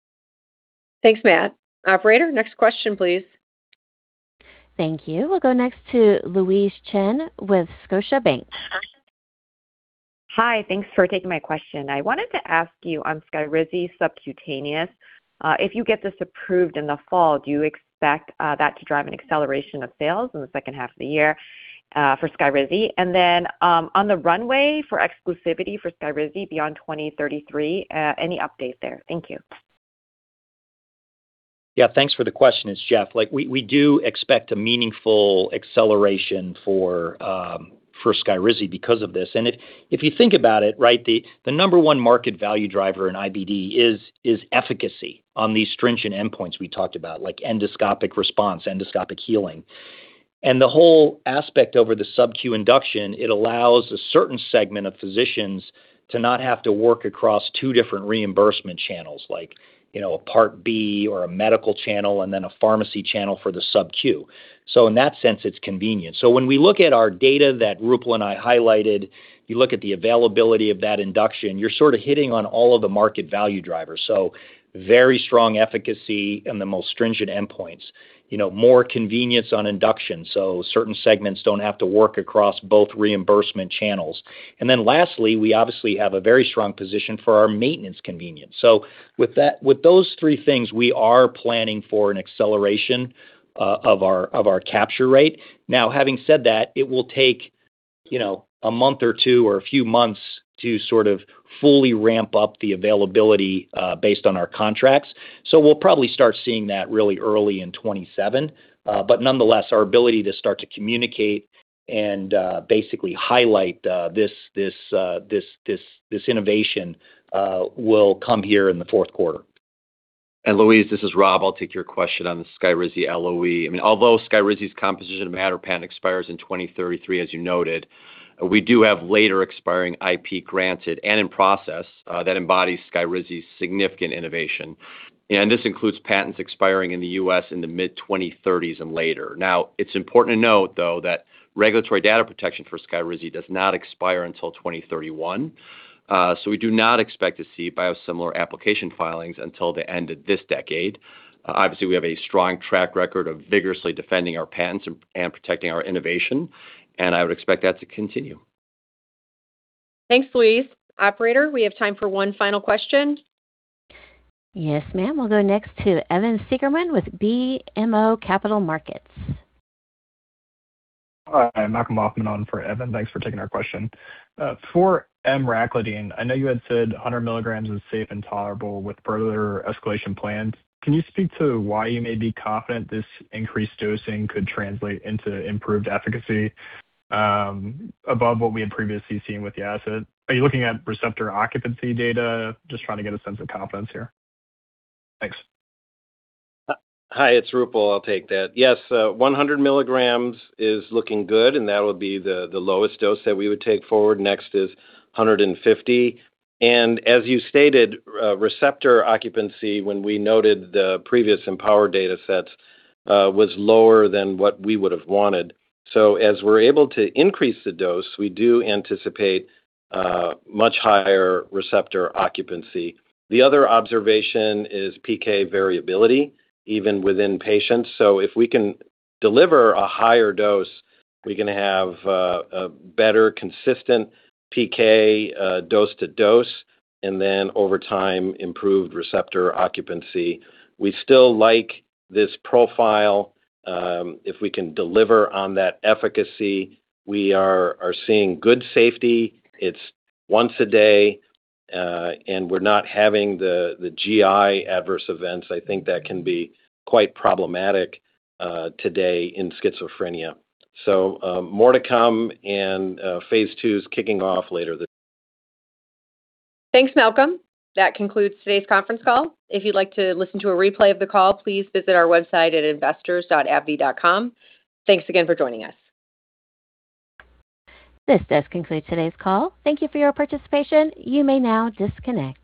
Thanks, Matt. Operator, next question, please. Thank you. We'll go next to Louise Chen with Scotiabank. Hi. Thanks for taking my question. I wanted to ask you on SKYRIZI subcutaneous, if you get this approved in the fall, do you expect that to drive an acceleration of sales in the second half of the year for SKYRIZI? On the runway for exclusivity for SKYRIZI beyond 2033, any update there? Thank you. Yeah, thanks for the question. It's Jeff. We do expect a meaningful acceleration for SKYRIZI because of this. If you think about it, the number one market value driver in IBD is efficacy on these stringent endpoints we talked about, like endoscopic response, endoscopic healing. The whole aspect over the subQ induction, it allows a certain segment of physicians to not have to work across two different reimbursement channels like a Part B or a medical channel, and then a pharmacy channel for the subQ. In that sense, it's convenient. When we look at our data that Roopal and I highlighted, you look at the availability of that induction, you're sort of hitting on all of the market value drivers. Very strong efficacy in the most stringent endpoints. More convenience on induction, so certain segments don't have to work across both reimbursement channels. Lastly, we obviously have a very strong position for our maintenance convenience. With those three things, we are planning for an acceleration of our capture rate. Now, having said that, it will take a month or two or a few months to sort of fully ramp up the availability based on our contracts. We'll probably start seeing that really early in 2027. Nonetheless, our ability to start to communicate and basically highlight this innovation will come here in the fourth quarter. Louise, this is Rob. I'll take your question on the SKYRIZI LOE. Although SKYRIZI's composition matter patent expires in 2033, as you noted, we do have later expiring IP granted and in process that embodies SKYRIZI's significant innovation. This includes patents expiring in the U.S. in the mid-2030s and later. Now, it's important to note, though, that regulatory data protection for SKYRIZI does not expire until 2031. We do not expect to see biosimilar application filings until the end of this decade. Obviously, we have a strong track record of vigorously defending our patents and protecting our innovation, and I would expect that to continue. Thanks, Louise. Operator, we have time for one final question. Yes, ma'am. We'll go next to Evan Seigerman with BMO Capital Markets. Hi, Malcolm Hoffman on for Evan. Thanks for taking our question. For emraclidine, I know you had said 100 mg is safe and tolerable with further escalation plans. Can you speak to why you may be confident this increased dosing could translate into improved efficacy above what we had previously seen with the asset? Are you looking at receptor occupancy data? Just trying to get a sense of confidence here. Thanks. Hi, it's Roopal. I'll take that. Yes, 100 mg is looking good, and that would be the lowest dose that we would take forward. Next is 150. As you stated, receptor occupancy, when we noted the previous EMPOWER data sets, was lower than what we would have wanted. As we're able to increase the dose, we do anticipate much higher receptor occupancy. The other observation is PK variability, even within patients. If we can deliver a higher dose, we can have a better consistent PK dose to dose, and then over time, improved receptor occupancy. We still like this profile. If we can deliver on that efficacy, we are seeing good safety. It's once a day, and we're not having the GI adverse events. I think that can be quite problematic today in schizophrenia. More to come and phase II's kicking off later this- Thanks, Malcolm. That concludes today's conference call. If you'd like to listen to a replay of the call, please visit our website at investors.abbvie.com. Thanks again for joining us. This does conclude today's call. Thank you for your participation. You may now disconnect.